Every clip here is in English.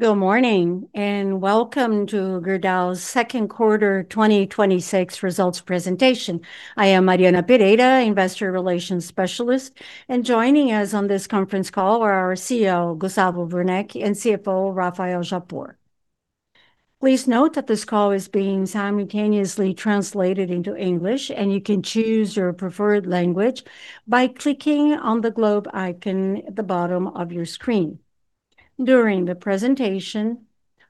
Good morning. Welcome to Gerdau's second quarter 2026 results presentation. I am Ariana Pereira, investor relations specialist. Joining us on this conference call are our CEO, Gustavo Werneck, and CFO, Rafael Japur. Please note that this call is being simultaneously translated into English. You can choose your preferred language by clicking on the globe icon at the bottom of your screen. During the presentation,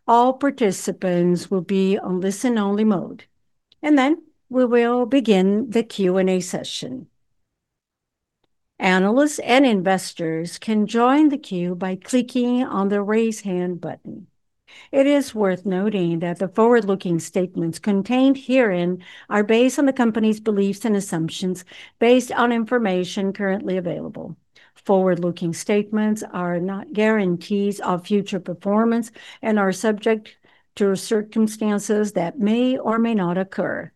all participants will be on listen-only mode. Then we will begin the Q&A session. Analysts and investors can join the queue by clicking on the raise hand button. It is worth noting that the forward-looking statements contained herein are based on the company's beliefs and assumptions based on information currently available. Forward-looking statements are not guarantees of future performance and are subject to circumstances that may or may not occur.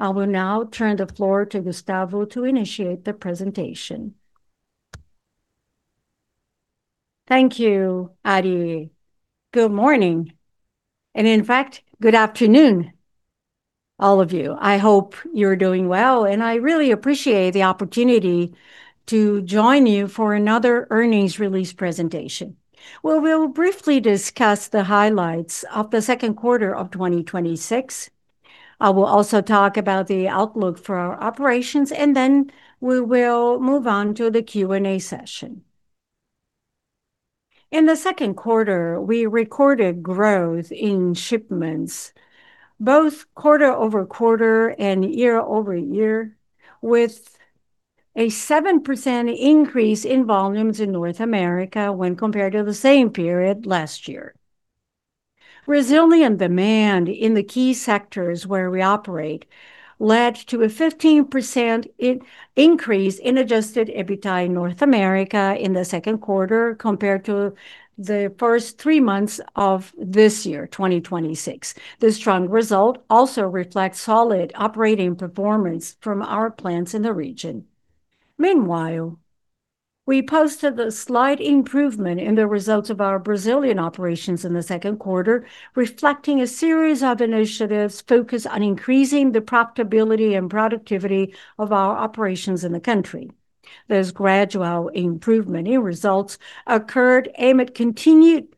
I will now turn the floor to Gustavo to initiate the presentation. Thank you, Ari. Good morning. In fact, good afternoon, all of you. I hope you're doing well. I really appreciate the opportunity to join you for another earnings release presentation. We will briefly discuss the highlights of the second quarter of 2026. I will also talk about the outlook for our operations. Then we will move on to the Q&A session. In the second quarter, we recorded growth in shipments both quarter-over-quarter and year-over-year, with a 7% increase in volumes in North America when compared to the same period last year. Resilient demand in the key sectors where we operate led to a 15% increase in adjusted EBITDA in North America in the second quarter compared to the first three months of this year, 2026. This strong result also reflects solid operating performance from our plants in the region. Meanwhile, we posted a slight improvement in the results of our Brazilian operations in the second quarter, reflecting a series of initiatives focused on increasing the profitability and productivity of our operations in the country. This gradual improvement in results occurred amid continued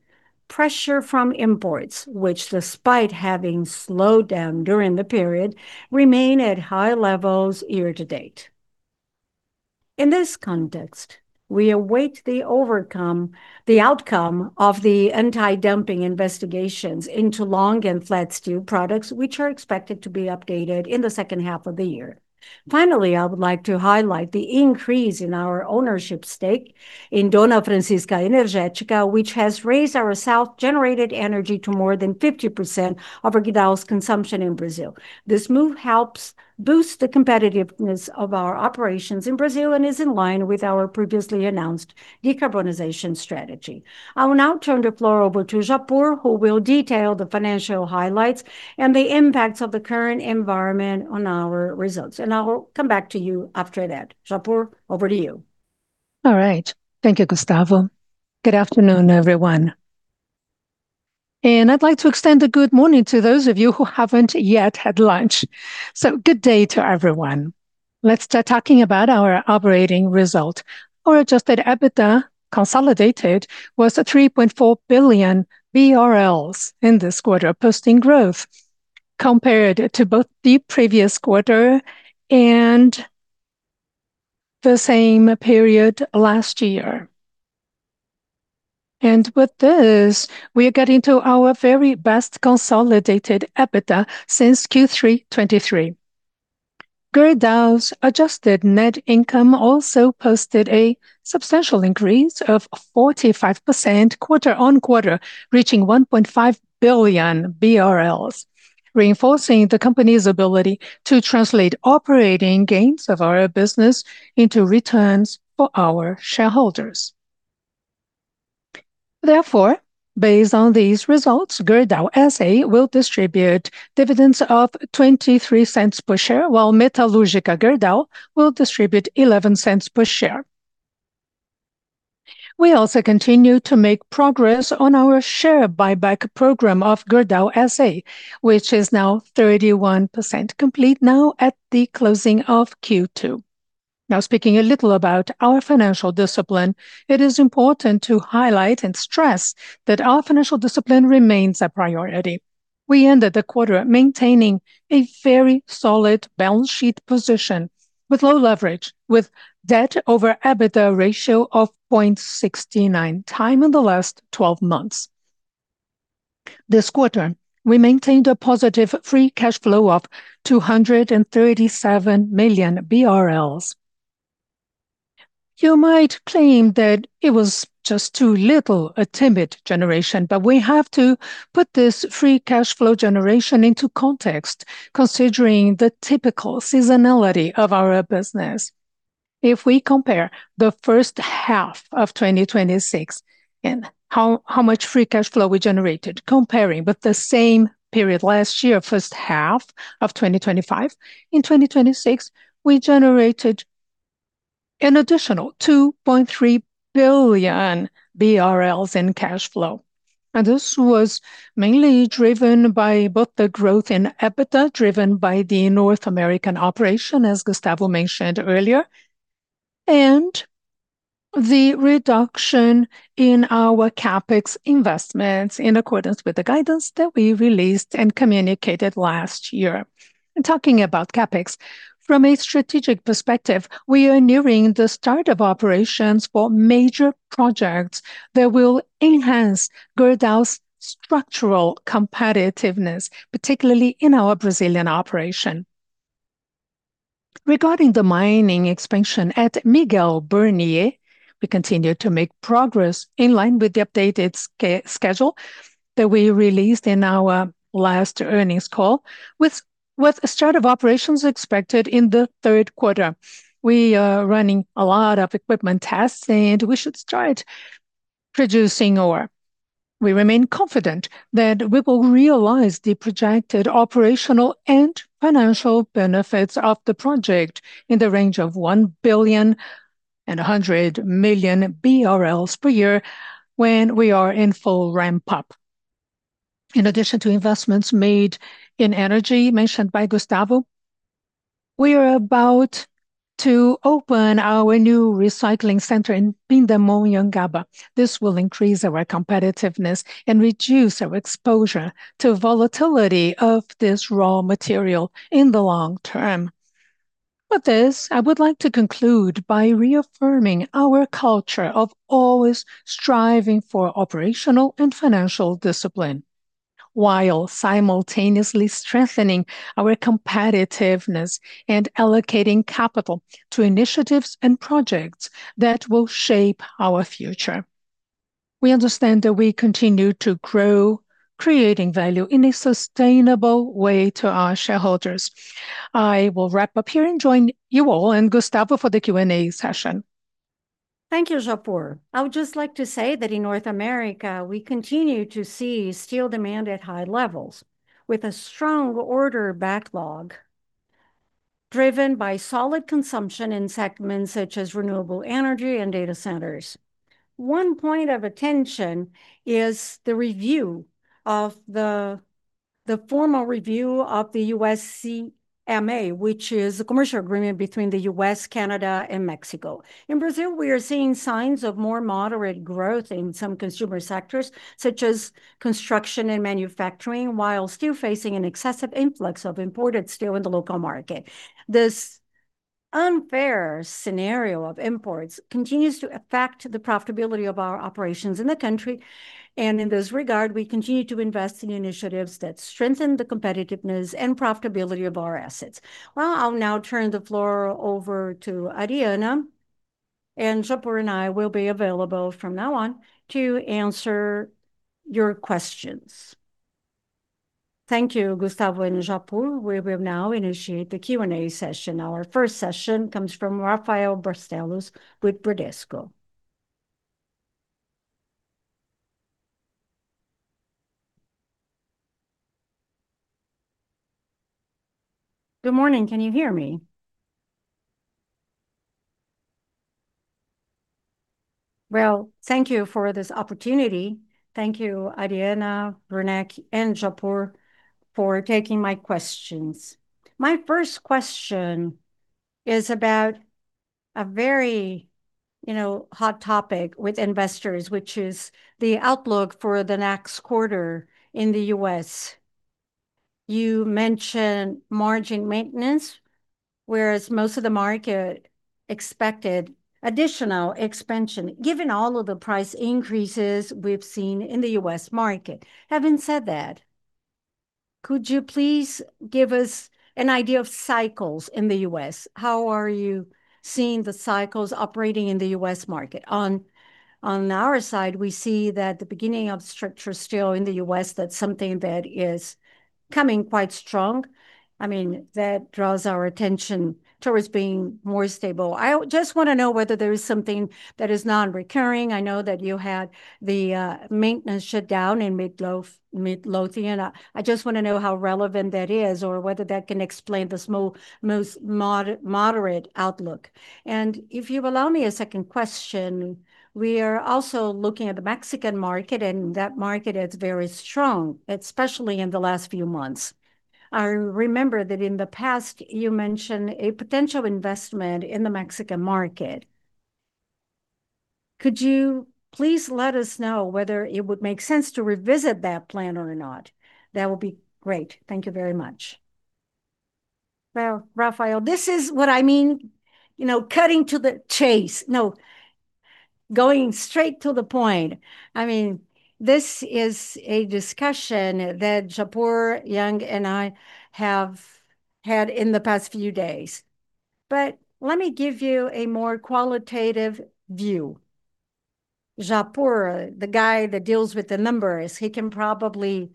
pressure from imports, which despite having slowed down during the period, remain at high levels year to date. In this context, we await the outcome of the anti-dumping investigations into long and flat steel products, which are expected to be updated in the second half of the year. Finally, I would like to highlight the increase in our ownership stake in Dona Francisca Energética, which has raised our self-generated energy to more than 50% of Gerdau's consumption in Brazil. This move helps boost the competitiveness of our operations in Brazil. It is in line with our previously announced decarbonization strategy. I will now turn the floor over to Japur, who will detail the financial highlights and the impacts of the current environment on our results. I will come back to you after that. Japur, over to you. Thank you, Gustavo. Good afternoon, everyone. I'd like to extend a good morning to those of you who haven't yet had lunch. Good day to everyone. Let's start talking about our operating result. Our adjusted EBITDA, consolidated, was 3.4 billion BRL in this quarter, posting growth compared to both the previous quarter and the same period last year. With this, we are getting to our very best consolidated EBITDA since Q3 2023. Gerdau's adjusted net income also posted a substantial increase of 45% quarter-on-quarter, reaching 1.5 billion BRL, reinforcing the company's ability to translate operating gains of our business into returns for our shareholders. Therefore, based on these results, Gerdau S.A. will distribute dividends of 0.23 per share, while Metalúrgica Gerdau will distribute 0.11 per share. We also continue to make progress on our share buyback program of Gerdau S.A., which is now 31% complete at the closing of Q2. Speaking a little about our financial discipline, it is important to highlight and stress that our financial discipline remains a priority. We ended the quarter maintaining a very solid balance sheet position with low leverage, with debt over EBITDA ratio of 0.69x in the last 12 months. This quarter, we maintained a positive free cash flow of 237 million BRL. You might claim that it was just too little a timid generation, but we have to put this free cash flow generation into context considering the typical seasonality of our business. If we compare the first half of 2026 and how much free cash flow we generated comparing with the same period last year, first half of 2025, in 2026, we generated an additional 2.3 billion BRL in cash flow. This was mainly driven by both the growth in EBITDA, driven by the North American operation, as Gustavo mentioned earlier, and the reduction in our CapEx investments in accordance with the guidance that we released and communicated last year. Talking about CapEx, from a strategic perspective, we are nearing the start of operations for major projects that will enhance Gerdau's structural competitiveness, particularly in our Brazilian operation. Regarding the mining expansion at Miguel Burnier, we continue to make progress in line with the updated schedule that we released in our last earnings call, with the start of operations expected in the third quarter. We are running a lot of equipment tests, and we should start producing ore. We remain confident that we will realize the projected operational and financial benefits of the project in the range of 1.1 billion per year when we are in full ramp-up. In addition to investments made in energy, mentioned by Gustavo, we are about to open our new recycling center in Pindamonhangaba. This will increase our competitiveness and reduce our exposure to volatility of this raw material in the long term. With this, I would like to conclude by reaffirming our culture of always striving for operational and financial discipline, while simultaneously strengthening our competitiveness and allocating capital to initiatives and projects that will shape our future. We understand that we continue to grow, creating value in a sustainable way to our shareholders. I will wrap up here and join you all and Gustavo for the Q&A session. Thank you, Japur. I would just like to say that in North America, we continue to see steel demand at high levels, with a strong order backlog driven by solid consumption in segments such as renewable energy and data centers. One point of attention is the formal review of the USMCA, which is the commercial agreement between the U.S., Canada, and Mexico. In Brazil, we are seeing signs of more moderate growth in some consumer sectors, such as construction and manufacturing, while still facing an excessive influx of imported steel in the local market. This unfair scenario of imports continues to affect the profitability of our operations in the country, in this regard, we continue to invest in initiatives that strengthen the competitiveness and profitability of our assets. I'll now turn the floor over to Ariana, Japur and I will be available from now on to answer your questions. Thank you, Gustavo and Japur. We will now initiate the Q&A session. Our first session comes from Rafael Barcellos with Bradesco. Good morning. Can you hear me? Thank you for this opportunity. Thank you, Ariana, Werneck, and Japur, for taking my questions. My first question is about a very hot topic with investors, which is the outlook for the next quarter in the U.S. You mentioned margin maintenance, whereas most of the market expected additional expansion, given all of the price increases we've seen in the U.S. market. Having said that, could you please give us an idea of cycles in the U.S.? How are you seeing the cycles operating in the U.S. market? On our side, we see that the beginning of structured steel in the U.S., that's something that is coming quite strong. That draws our attention towards being more stable. I just want to know whether there is something that is non-recurring. I know that you had the maintenance shutdown in Midlothian. I just want to know how relevant that is, or whether that can explain this most moderate outlook. If you allow me a second question, we are also looking at the Mexican market, and that market is very strong, especially in the last few months. I remember that in the past, you mentioned a potential investment in the Mexican market. Could you please let us know whether it would make sense to revisit that plan or not? That would be great. Thank you very much. Rafael, this is what I mean cutting to the chase. Going straight to the point. This is a discussion that Japur, Yuan, and I have had in the past few days. But let me give you a more qualitative view. Japur, the guy that deals with the numbers, he can probably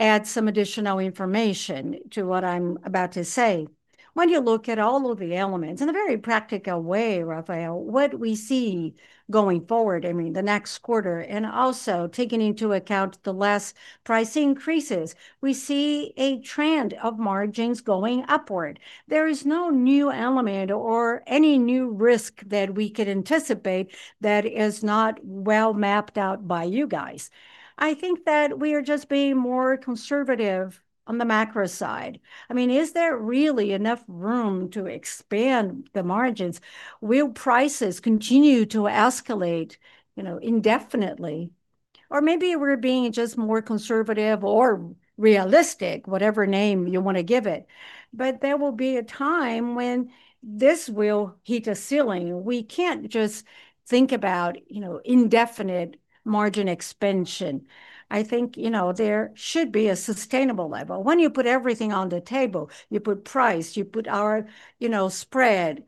add some additional information to what I'm about to say. When you look at all of the elements in a very practical way, Rafael, what we see going forward, I mean the next quarter, and also taking into account the less price increases, we see a trend of margins going upward. There is no new element or any new risk that we could anticipate that is not well mapped out by you guys. I think that we are just being more conservative on the macro side. Is there really enough room to expand the margins? Will prices continue to escalate indefinitely? Maybe we're being just more conservative or realistic, whatever name you want to give it. There will be a time when this will hit a ceiling. We can't just think about indefinite margin expansion. I think there should be a sustainable level. When you put everything on the table, you put price, you put our spread,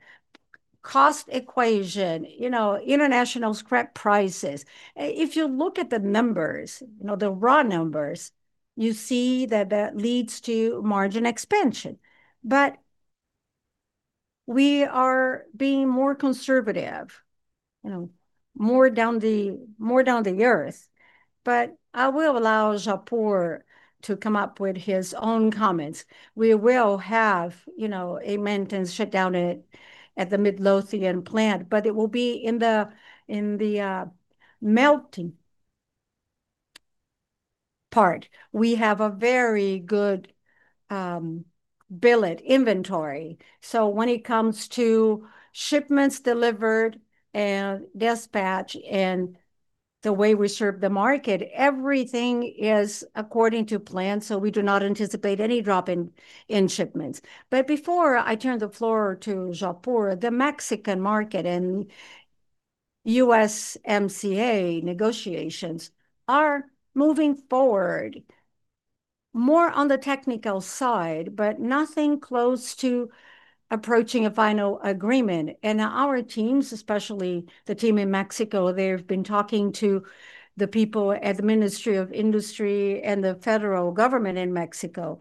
cost equation, international scrap prices. If you look at the numbers, the raw numbers, you see that leads to margin expansion. But we are being more conservative, more down to earth. But I will allow Japur to come up with his own comments. We will have a maintenance shutdown at the Midlothian plant, but it will be in the melting part. When it comes to shipments delivered and dispatch and the way we serve the market, everything is according to plan, so we do not anticipate any drop in shipments. Before I turn the floor to Japur, the Mexican market and USMCA negotiations are moving forward more on the technical side, but nothing close to approaching a final agreement. And our teams, especially the team in Mexico, they've been talking to the people at the Ministry of Industry and the federal government in Mexico.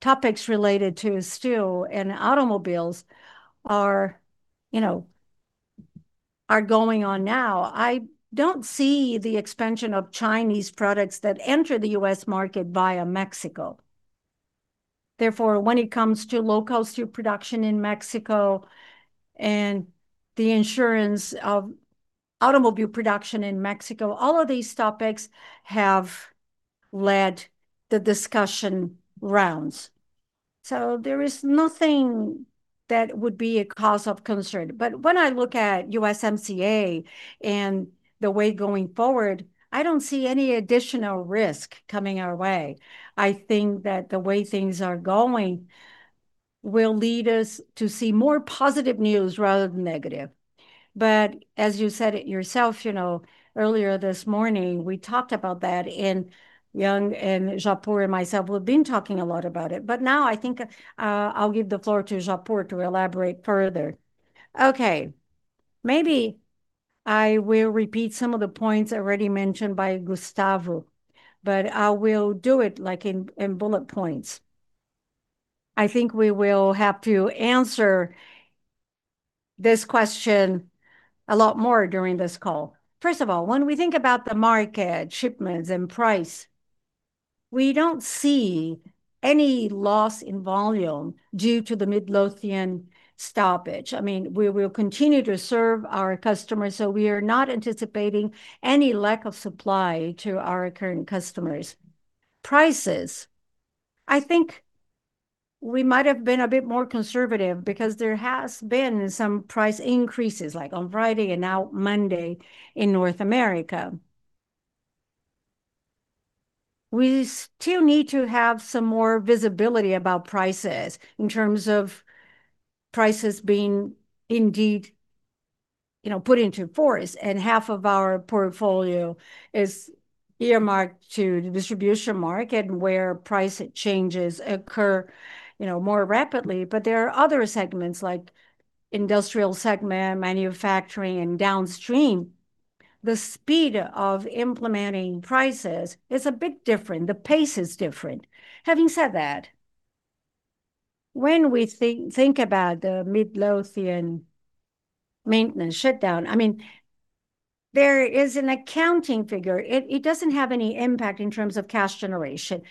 Topics related to steel and automobiles are going on now. I don't see the expansion of Chinese products that enter the U.S. market via Mexico. When it comes to low-cost steel production in Mexico and the insurance of automobile production in Mexico, all of these topics have led the discussion rounds. There is nothing that would be a cause of concern. When I look at USMCA and the way going forward, I don't see any additional risk coming our way. I think that the way things are going will lead us to see more positive news rather than negative. As you said it yourself earlier this morning, we talked about that and Yuan and Japur and myself, we've been talking a lot about it. Now I think I'll give the floor to Japur to elaborate further. Okay. Maybe I will repeat some of the points already mentioned by Gustavo, but I will do it in bullet points. I think we will have to answer this question a lot more during this call. First of all, when we think about the market, shipments, and price, we don't see any loss in volume due to the Midlothian stoppage. We will continue to serve our customers. We are not anticipating any lack of supply to our current customers. Prices, I think we might have been a bit more conservative because there has been some price increases like on Friday and now Monday in North America. We still need to have some more visibility about prices in terms of prices being indeed put into force and half of our portfolio is earmarked to the distribution market where price changes occur more rapidly. There are other segments like industrial segment, manufacturing, and downstream. The speed of implementing prices is a bit different. The pace is different. Having said that, when we think about the Midlothian maintenance shutdown, there is an accounting figure. It doesn't have any impact in terms of cash generation.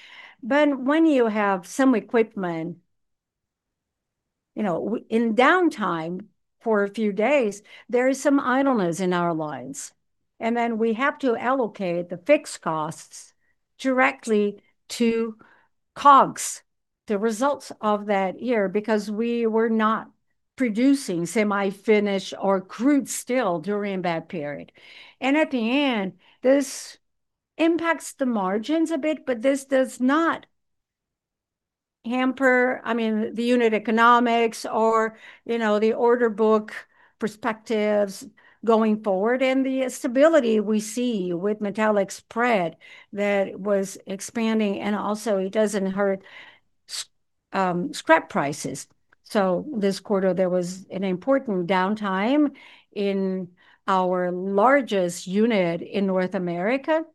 When you have some equipment in downtime for a few days, there is some idleness in our lines. We have to allocate the fixed costs directly to COGS, the results of that year, because we were not producing semi-finished or crude steel during that period. At the end, this impacts the margins a bit. This does not hamper the unit economics or the order book perspectives going forward, and the stability we see with metallic spread that was expanding. It doesn't hurt scrap prices. This quarter, there was an important downtime in our largest unit in North America.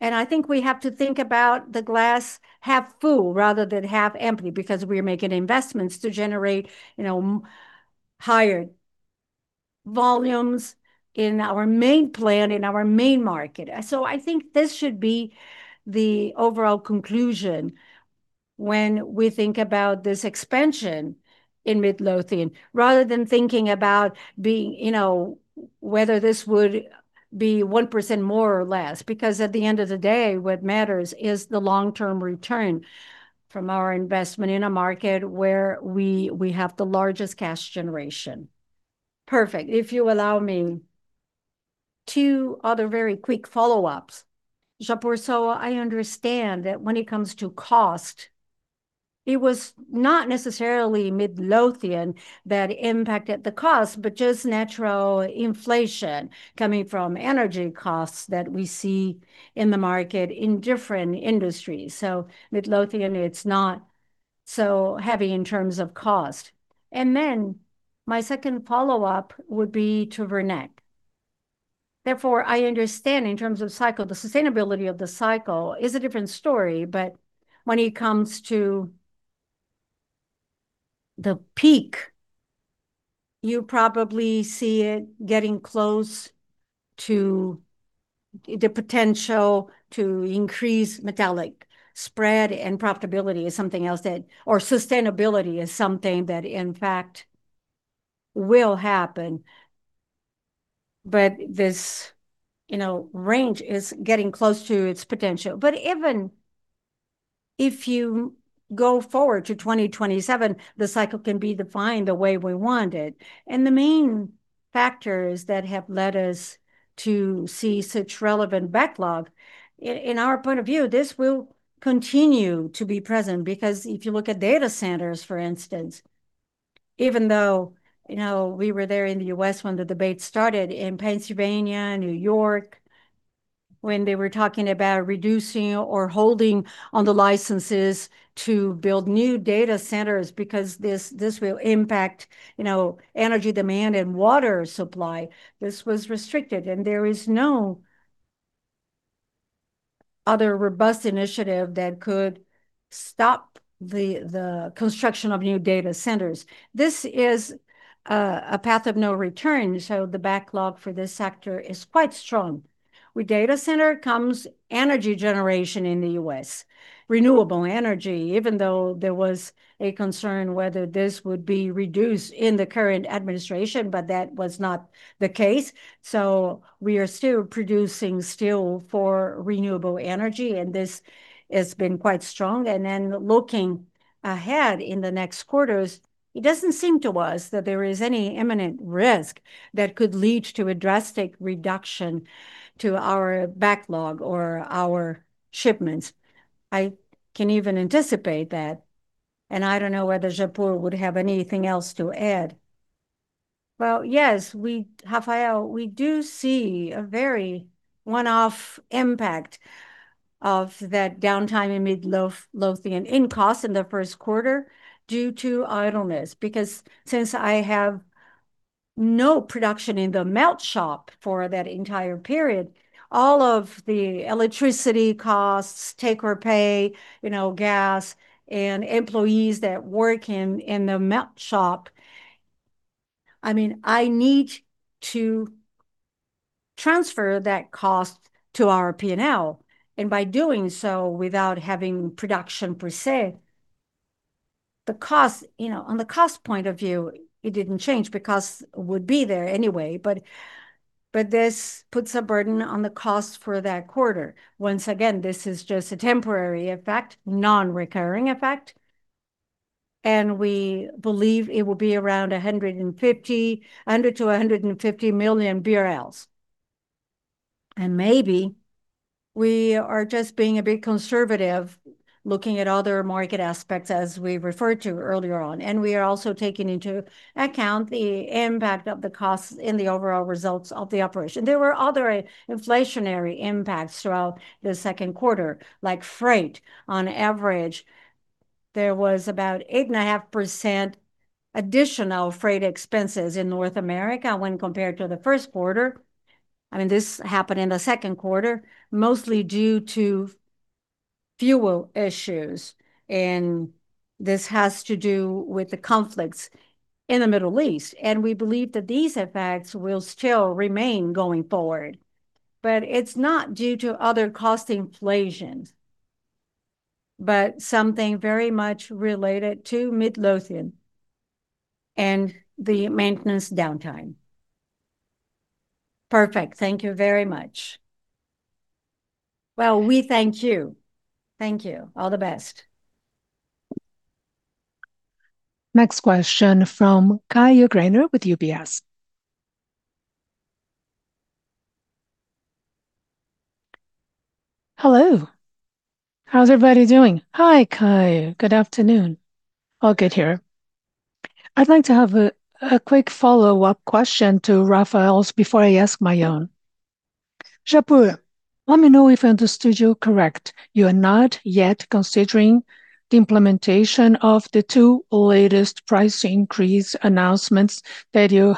I think we have to think about the glass half full rather than half empty because we're making investments to generate higher volumes in our main plant, in our main market. I think this should be the overall conclusion when we think about this expansion in Midlothian, rather than thinking about whether this would be 1% more or less. At the end of the day, what matters is the long-term return from our investment in a market where we have the largest cash generation. Perfect. If you allow me two other very quick follow-ups. Japur, I understand that when it comes to cost, it was not necessarily Midlothian that impacted the cost, but just natural inflation coming from energy costs that we see in the market in different industries. Midlothian, it's not so heavy in terms of cost. My second follow-up would be to Werneck. I understand in terms of cycle, the sustainability of the cycle is a different story. When it comes to the peak, you probably see it getting close to the potential to increase metallic spread. Profitability is something else or sustainability is something that in fact will happen. This range is getting close to its potential. Even if you go forward to 2027, the cycle can be defined the way we want it, and the main factors that have led us to see such relevant backlog, in our point of view, this will continue to be present because if you look at data centers, for instance, even though we were there in the U.S. when the debate started in Pennsylvania, New York, when they were talking about reducing or holding on the licenses to build new data centers because this will impact energy demand and water supply. This was restricted, and there is no other robust initiative that could stop the construction of new data centers. This is a path of no return, the backlog for this sector is quite strong. With data center comes energy generation in the U.S., renewable energy, even though there was a concern whether this would be reduced in the current administration, but that was not the case. We are still producing steel for renewable energy, and this has been quite strong. Looking ahead in the next quarters, it doesn't seem to us that there is any imminent risk that could lead to a drastic reduction to our backlog or our shipments. I can even anticipate that, and I don't know whether Japur would have anything else to add. Well, yes, Rafael, we do see a very one-off impact of that downtime in Midlothian in cost in the first quarter due to idleness. Since I have no production in the melt shop for that entire period, all of the electricity costs, take or pay, gas and employees that work in the melt shop, I need to transfer that cost to our P&L. By doing so, without having production per se, on the cost point of view, it didn't change because would be there anyway, but this puts a burden on the cost for that quarter. Once again, this is just a temporary effect, non-recurring effect, and we believe it will be around 100 million to 150 million BRL. Maybe we are just being a bit conservative looking at other market aspects as we referred to earlier on. We are also taking into account the impact of the costs in the overall results of the operation. There were other inflationary impacts throughout the second quarter, like freight. On average, there was about 8.5% additional freight expenses in North America when compared to the first quarter. This happened in the second quarter, mostly due to fuel issues, and this has to do with the conflicts in the Middle East, we believe that these effects will still remain going forward. It's not due to other cost inflations, but something very much related to Midlothian and the maintenance downtime. Perfect. Thank you very much. Well, we thank you. Thank you. All the best. Next question from Caio Greiner with UBS. Hello. How's everybody doing? Hi, Caio. Good afternoon. All good here. I'd like to have a quick follow-up question to Rafael's before I ask my own Japur, let me know if I understood you correct. You are not yet considering the implementation of the two latest price increase announcements that you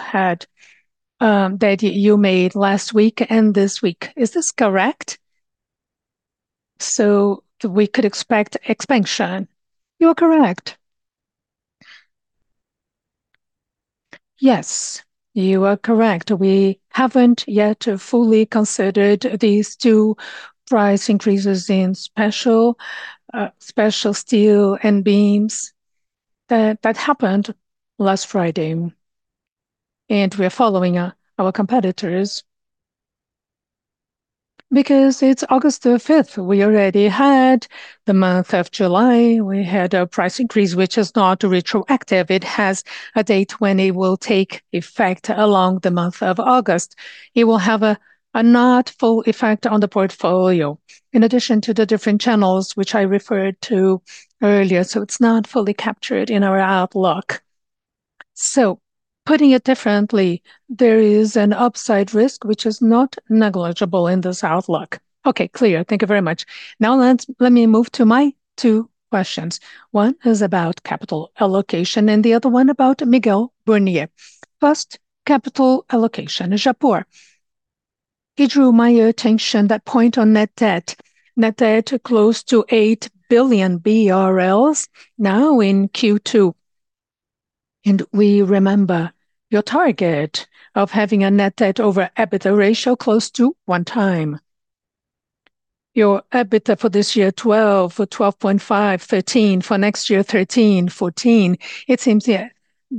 made last week and this week. Is this correct? We could expect expansion. You are correct. Yes, you are correct. We haven't yet fully considered these two price increases in special steel and beams that happened last Friday, and we are following our competitors. It's August the 5th, we already had the month of July, we had a price increase, which is not retroactive. It has a date when it will take effect along the month of August. It will have a not full effect on the portfolio. In addition to the different channels which I referred to earlier, it's not fully captured in our outlook. Putting it differently, there is an upside risk, which is not negligible in this outlook. Okay, clear. Thank you very much. Now let me move to my two questions. One is about capital allocation and the other one about Miguel Burnier. First, capital allocation. Japur, it drew my attention that point on net debt. Net debt close to 8 billion BRL now in Q2. We remember your target of having a net debt over EBITDA ratio close to 1 time. Your EBITDA for this year, 12 billion or 12.5 billion, 13 billion. For next year, 13 billion, 14 billion. It seems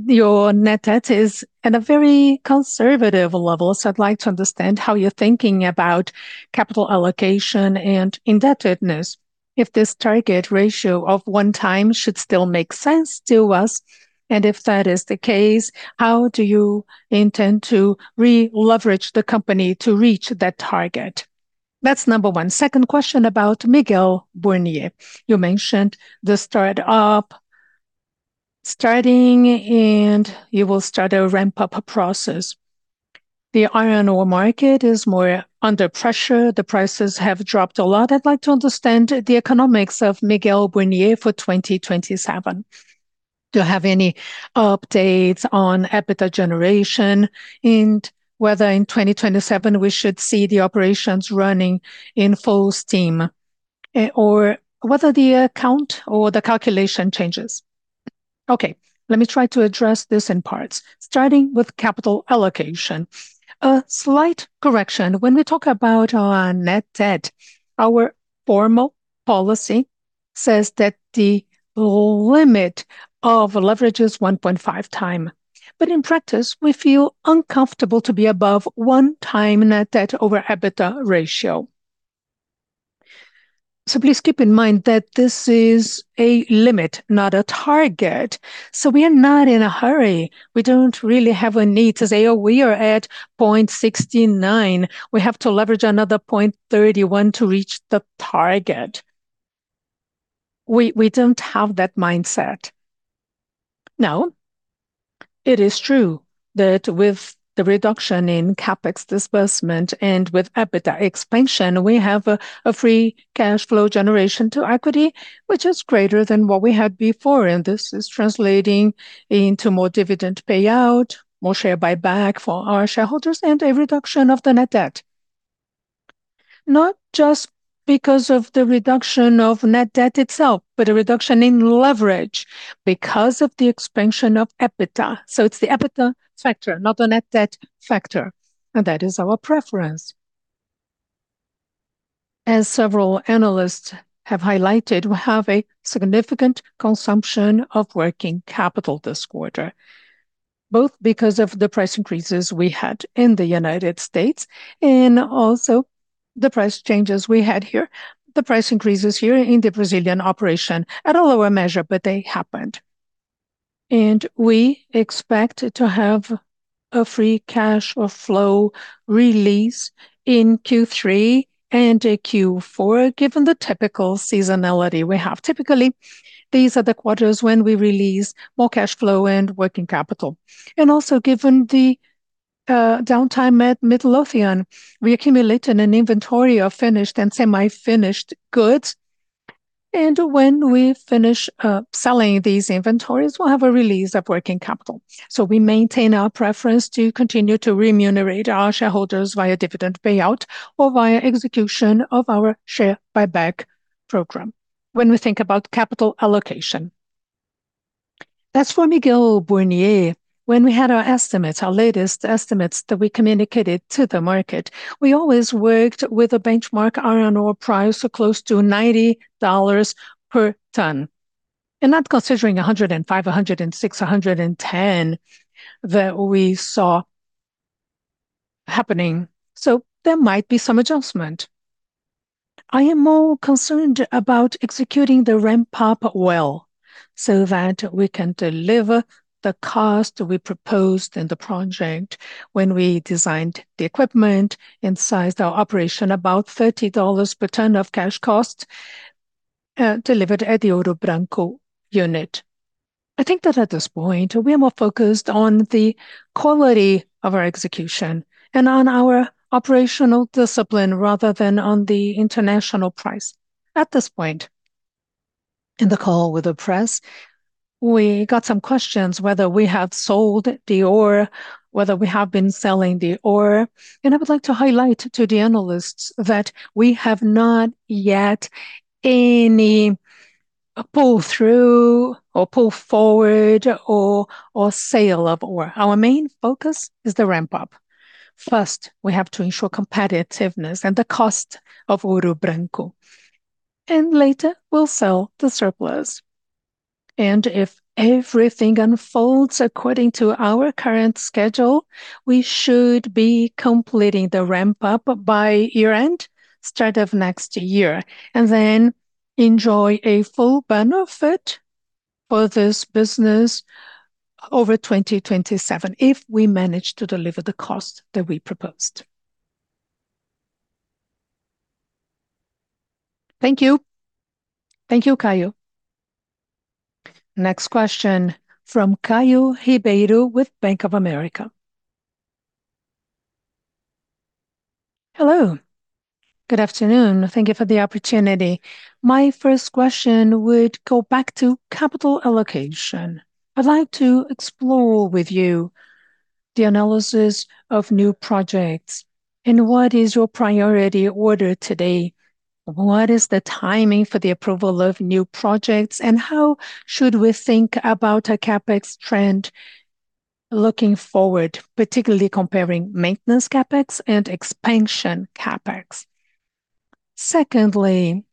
your net debt is at a very conservative level. I'd like to understand how you're thinking about capital allocation and indebtedness. If this target ratio of 1x should still make sense to us, if that is the case, how do you intend to re-leverage the company to reach that target? That's number one. Second question about Miguel Burnier. You mentioned the start up starting and you will start a ramp-up process. The iron ore market is more under pressure. The prices have dropped a lot. I'd like to understand the economics of Miguel Burnier for 2027. Do you have any updates on EBITDA generation and whether in 2027 we should see the operations running in full steam? Whether the account or the calculation changes? Okay, let me try to address this in parts, starting with capital allocation. A slight correction. When we talk about our net debt, our formal policy says that the limit of leverage is 1.5x. In practice, we feel uncomfortable to be above 1x net debt over EBITDA ratio. Please keep in mind that this is a limit, not a target. We are not in a hurry. We don't really have a need to say, "Oh, we are at 0.69. We have to leverage another 0.31 to reach the target." We don't have that mindset. Now, it is true that with the reduction in CapEx disbursement and with EBITDA expansion, we have a free cash flow generation to equity, which is greater than what we had before. This is translating into more dividend payout, more share buyback for our shareholders, and a reduction of the net debt. Not just because of the reduction of net debt itself, but a reduction in leverage because of the expansion of EBITDA. It's the EBITDA factor, not the net debt factor. That is our preference. As several analysts have highlighted, we have a significant consumption of working capital this quarter, both because of the price increases we had in the U.S. and also the price changes we had here. The price increases here in the Brazilian operation at a lower measure, but they happened. We expect to have a free cash flow release in Q3 and Q4, given the typical seasonality we have. Typically, these are the quarters when we release more cash flow and working capital. Also given the downtime at Midlothian, we accumulated an inventory of finished and semi-finished goods. When we finish selling these inventories, we'll have a release of working capital. We maintain our preference to continue to remunerate our shareholders via dividend payout or via execution of our share buyback program when we think about capital allocation. As for Miguel Burnier, when we had our estimates, our latest estimates that we communicated to the market, we always worked with a benchmark iron ore price close to BRL 90 per ton. Not considering 105, 106, 110 that we saw happening. There might be some adjustment. I am more concerned about executing the ramp-up well so that we can deliver the cost we proposed in the project when we designed the equipment and sized our operation about BRL 30 per ton of cash cost, delivered at the Ouro Branco unit. I think that at this point, we are more focused on the quality of our execution and on our operational discipline rather than on the international price. At this point in the call with the press, we got some questions whether we have sold the ore, whether we have been selling the ore. I would like to highlight to the analysts that we have not yet any pull through or pull forward or sale of ore. Our main focus is the ramp up. First, we have to ensure competitiveness and the cost of Ouro Branco. Later we'll sell the surplus. If everything unfolds according to our current schedule, we should be completing the ramp up by year-end, start of next year. Enjoy a full benefit for this business over 2027 if we manage to deliver the cost that we proposed. Thank you. Thank you, Caio. Next question from Caio Ribeiro with Bank of America. Hello. Good afternoon. Thank you for the opportunity. My first question would go back to capital allocation. I'd like to explore with you the analysis of new projects and what is your priority order today. What is the timing for the approval of new projects? How should we think about a CapEx trend looking forward, particularly comparing maintenance CapEx and expansion CapEx? Secondly,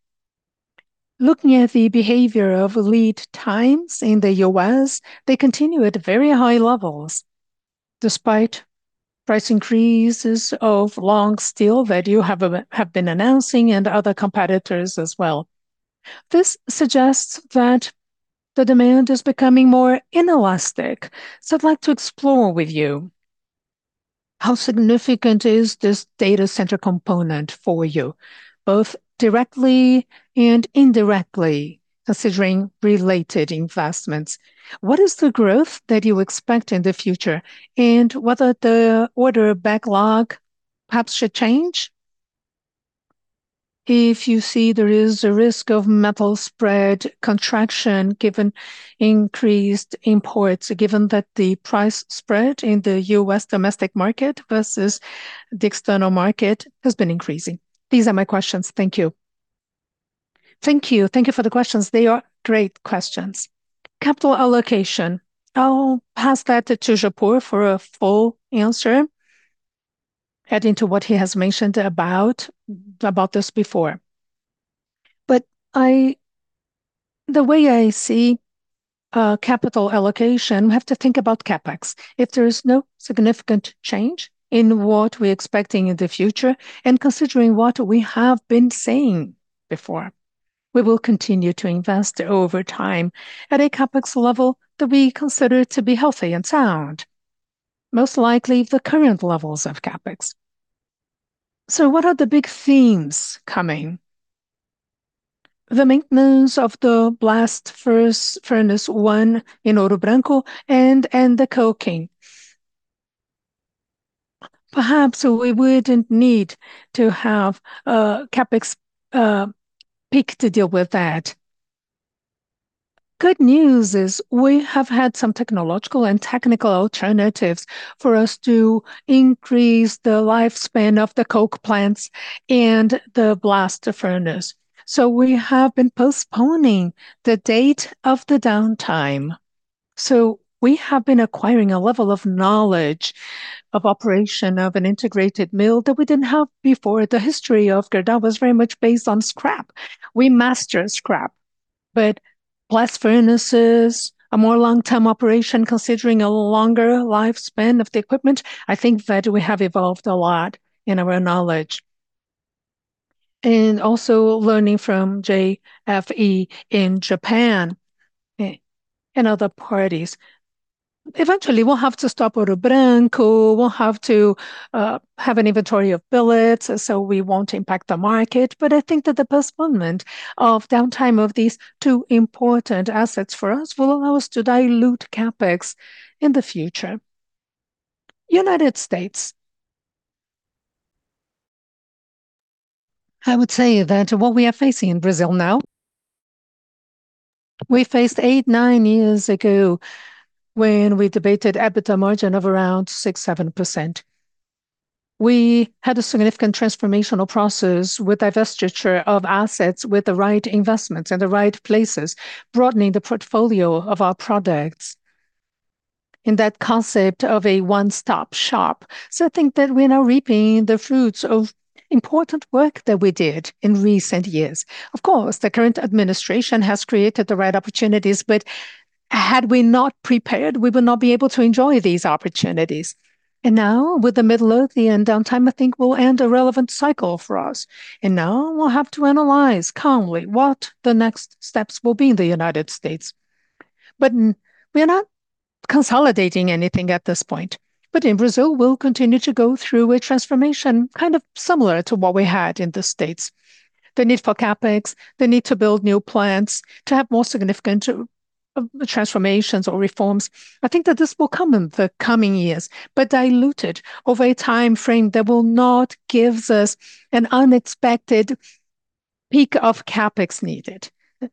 looking at the behavior of lead times in the U.S., they continue at very high levels despite price increases of long steel that you have been announcing and other competitors as well. This suggests that the demand is becoming more inelastic. I'd like to explore with you how significant is this data center component for you, both directly and indirectly considering related investments. What is the growth that you expect in the future? Whether the order backlog perhaps should change? If you see there is a risk of metal spread contraction given increased imports, given that the price spread in the U.S. domestic market versus the external market has been increasing. These are my questions. Thank you. Thank you. Thank you for the questions. They are great questions. Capital allocation. I'll pass that to Japur for a full answer, adding to what he has mentioned about this before. The way I see capital allocation, we have to think about CapEx. If there is no significant change in what we're expecting in the future and considering what we have been saying before, we will continue to invest over time at a CapEx level that we consider to be healthy and sound. Most likely the current levels of CapEx. What are the big themes coming? The maintenance of the blast furnace one in Ouro Branco and the coking. Perhaps we wouldn't need to have a CapEx peak to deal with that. Good news is we have had some technological and technical alternatives for us to increase the lifespan of the coke plants and the blast furnace. We have been postponing the date of the downtime. We have been acquiring a level of knowledge of operation of an integrated mill that we didn't have before. The history of Gerdau was very much based on scrap. We master scrap. Blast furnaces are more long-term operation considering a longer lifespan of the equipment. I think that we have evolved a lot in our knowledge. Also learning from JFE in Japan and other parties. Eventually, we'll have to stop Ouro Branco, we'll have to have an inventory of billets. We won't impact the market. I think that the postponement of downtime of these two important assets for us will allow us to dilute CapEx in the future. United States. I would say that what we are facing in Brazil now, we faced eight, nine years ago when we debated EBITDA margin of around 6%, 7%. We had a significant transformational process with divestiture of assets with the right investments in the right places, broadening the portfolio of our products in that concept of a one-stop shop. I think that we are now reaping the fruits of important work that we did in recent years. Of course, the current administration has created the right opportunities, but had we not prepared, we would not be able to enjoy these opportunities. Now with the Midlothian downtime, I think will end a relevant cycle for us. Now we'll have to analyze calmly what the next steps will be in the United States. We are not consolidating anything at this point. In Brazil, we'll continue to go through a transformation kind of similar to what we had in the States. The need for CapEx, the need to build new plants, to have more significant transformations or reforms. I think that this will come in the coming years, but diluted over a timeframe that will not give us an unexpected peak of CapEx needed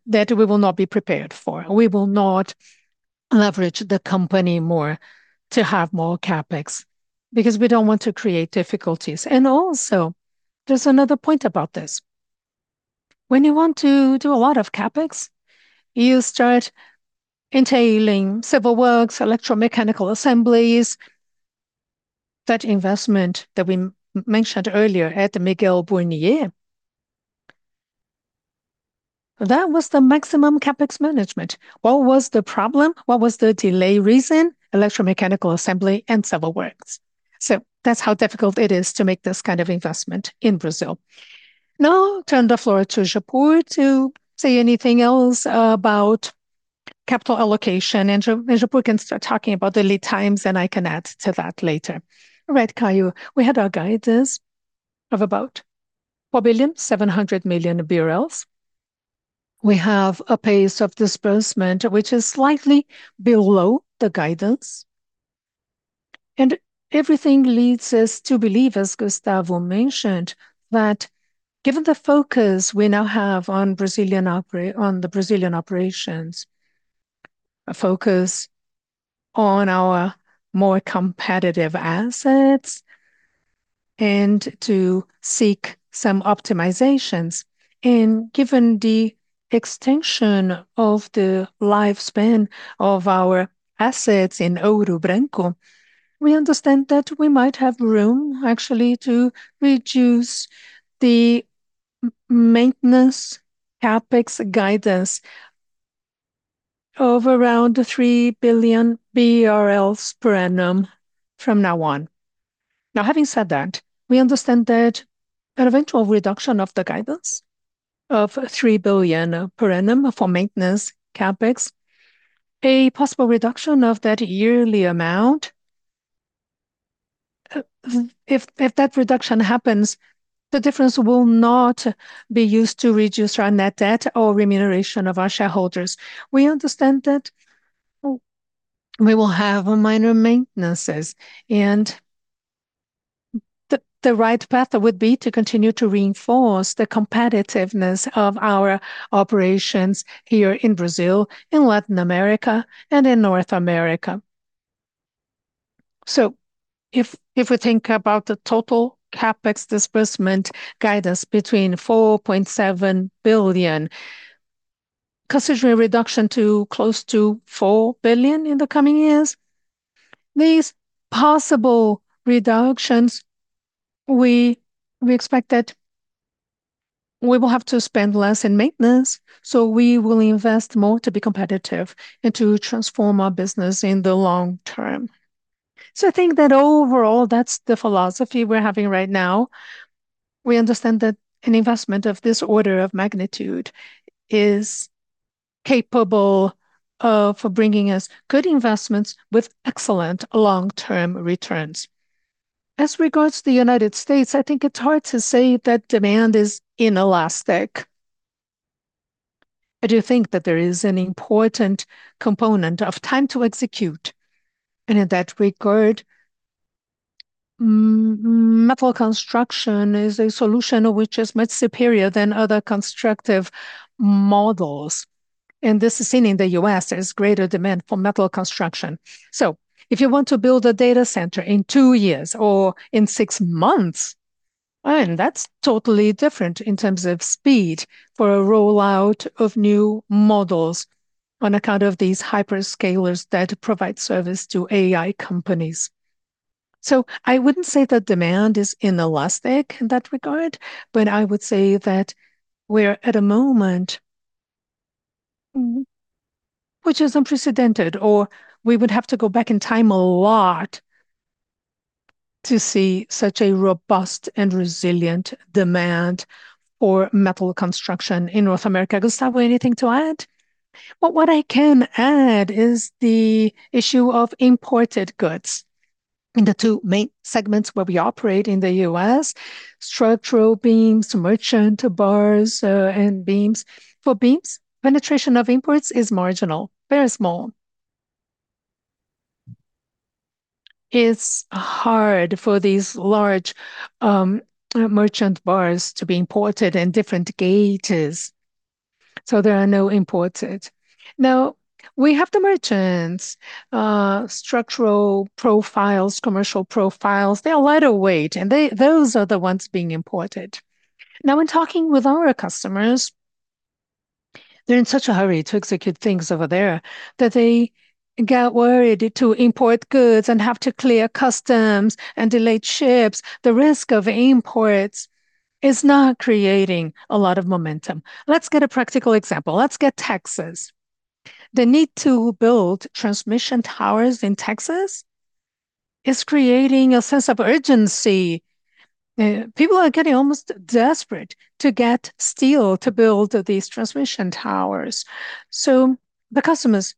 that we will not be prepared for. We will not leverage the company more to have more CapEx because we don't want to create difficulties. Also, there's another point about this. When you want to do a lot of CapEx, you start entailing civil works, electromechanical assemblies. That investment that we mentioned earlier at Miguel Burnier. That was the maximum CapEx management. What was the problem? What was the delay reason? Electromechanical assembly and civil works. That's how difficult it is to make this kind of investment in Brazil. Now I turn the floor to Japur to say anything else about capital allocation. Japur can start talking about the lead times, and I can add to that later. Right, Caio. We had our guidance of about 4 billion, 700 million. We have a pace of disbursement, which is slightly below the guidance. Everything leads us to believe, as Gustavo mentioned, that given the focus we now have on the Brazilian operations, a focus on our more competitive assets, and to seek some optimizations. Given the extension of the lifespan of our assets in Ouro Branco, we understand that we might have room actually to reduce the maintenance CapEx guidance of around 3 billion BRL per annum from now on. Having said that, we understand that an eventual reduction of the guidance of 3 billion per annum for maintenance CapEx, a possible reduction of that yearly amount. If that reduction happens, the difference will not be used to reduce our net debt or remuneration of our shareholders. We understand that we will have minor maintenances, the right path would be to continue to reinforce the competitiveness of our operations here in Brazil, in Latin America, and in North America. If we think about the total CapEx disbursement guidance between 4.7 billion, considering a reduction to close to 4 billion in the coming years. These possible reductions, we expect that we will have to spend less in maintenance, so we will invest more to be competitive and to transform our business in the long term. I think that overall, that's the philosophy we're having right now. We understand that an investment of this order of magnitude is capable for bringing us good investments with excellent long-term returns. As regards the U.S., I think it's hard to say that demand is inelastic. I do think that there is an important component of time to execute, and in that regard, metal construction is a solution which is much superior than other constructive models, and this is seen in the U.S. There's greater demand for metal construction. If you want to build a data center in two years or in six months, and that's totally different in terms of speed for a rollout of new models on account of these hyperscalers that provide service to AI companies. I wouldn't say that demand is inelastic in that regard, but I would say that we are at a moment which is unprecedented, or we would have to go back in time a lot to see such a robust and resilient demand for metal construction in North America. Gustavo, anything to add? Well, what I can add is the issue of imported goods in the two main segments where we operate in the U.S., structural beams, merchant bars, and beams. For beams, penetration of imports is marginal, very small. It's hard for these large merchant bars to be imported in different gauges, so there are no imports. Now, we have the merchants, structural profiles, commercial profiles. They are lighter weight, and those are the ones being imported. Now, when talking with our customers, they're in such a hurry to execute things over there that they get worried to import goods and have to clear customs and delayed ships. The risk of imports is not creating a lot of momentum. Let's get a practical example. Let's get Texas. The need to build transmission towers in Texas It's creating a sense of urgency. People are getting almost desperate to get steel to build these transmission towers. The customers,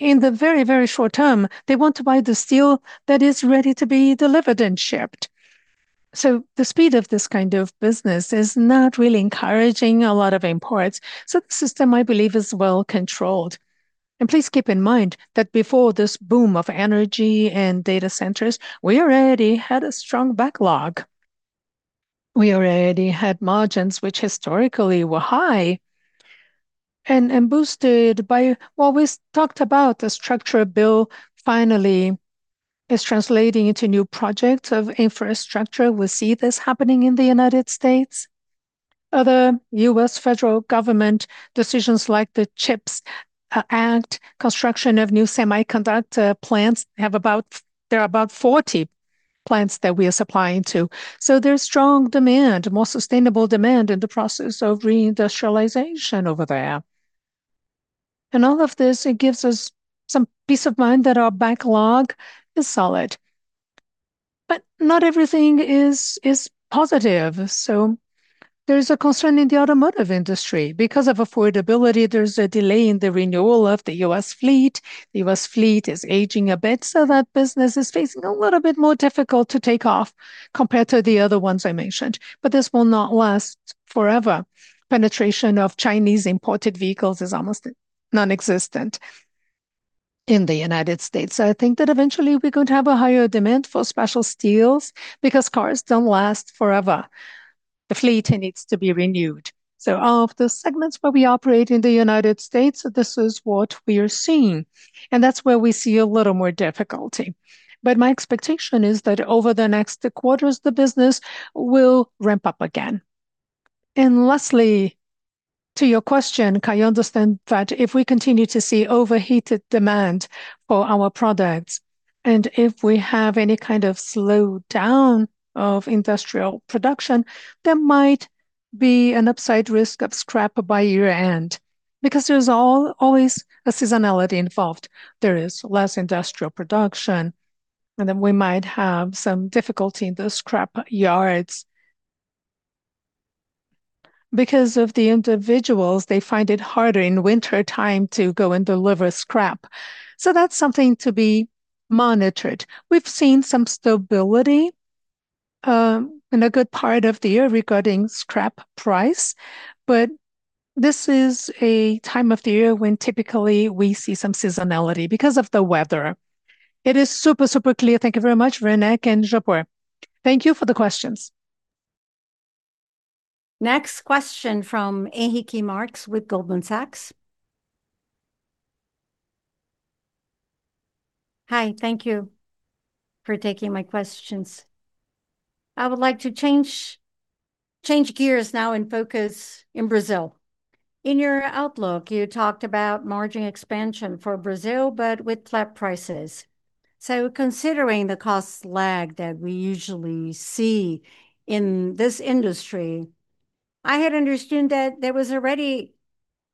in the very short term, they want to buy the steel that is ready to be delivered and shipped. The speed of this kind of business is not really encouraging a lot of imports. The system, I believe, is well-controlled. Please keep in mind that before this boom of energy and data centers, we already had a strong backlog. We already had margins which historically were high and boosted by what we talked about, the structural bill finally is translating into new projects of infrastructure. We see this happening in the U.S. Other U.S. federal government decisions like the CHIPS and Science Act, construction of new semiconductor plants, there are about 40 plants that we are supplying to. There's strong demand, more sustainable demand in the process of re-industrialization over there. All of this, it gives us some peace of mind that our backlog is solid. Not everything is positive. There is a concern in the automotive industry. Because of affordability, there's a delay in the renewal of the U.S. fleet. The U.S. fleet is aging a bit. That business is facing a little bit more difficult to take off compared to the other ones I mentioned. This will not last forever. Penetration of Chinese-imported vehicles is almost nonexistent in the U.S. I think that eventually we're going to have a higher demand for special steels because cars don't last forever. The fleet needs to be renewed. Of the segments where we operate in the U.S., this is what we are seeing, and that's where we see a little more difficulty. My expectation is that over the next quarters, the business will ramp up again. Lastly, to your question, Caio, you understand that if we continue to see overheated demand for our products, if we have any kind of slowdown of industrial production, there might be an upside risk of scrap by year-end because there's always a seasonality involved. There is less industrial production. We might have some difficulty in the scrap yards because of the individuals, they find it harder in wintertime to go and deliver scrap. That's something to be monitored. We've seen some stability in a good part of the year regarding scrap price, but this is a time of the year when typically we see some seasonality because of the weather. It is super clear. Thank you very much, Werneck and Japur. Thank you for the questions. Next question from Ehiki Marks with Goldman Sachs. Hi. Thank you for taking my questions. I would like to change gears now and focus in Brazil. In your outlook, you talked about margin expansion for Brazil, but with flat prices. Considering the cost lag that we usually see in this industry, I had understood that there was already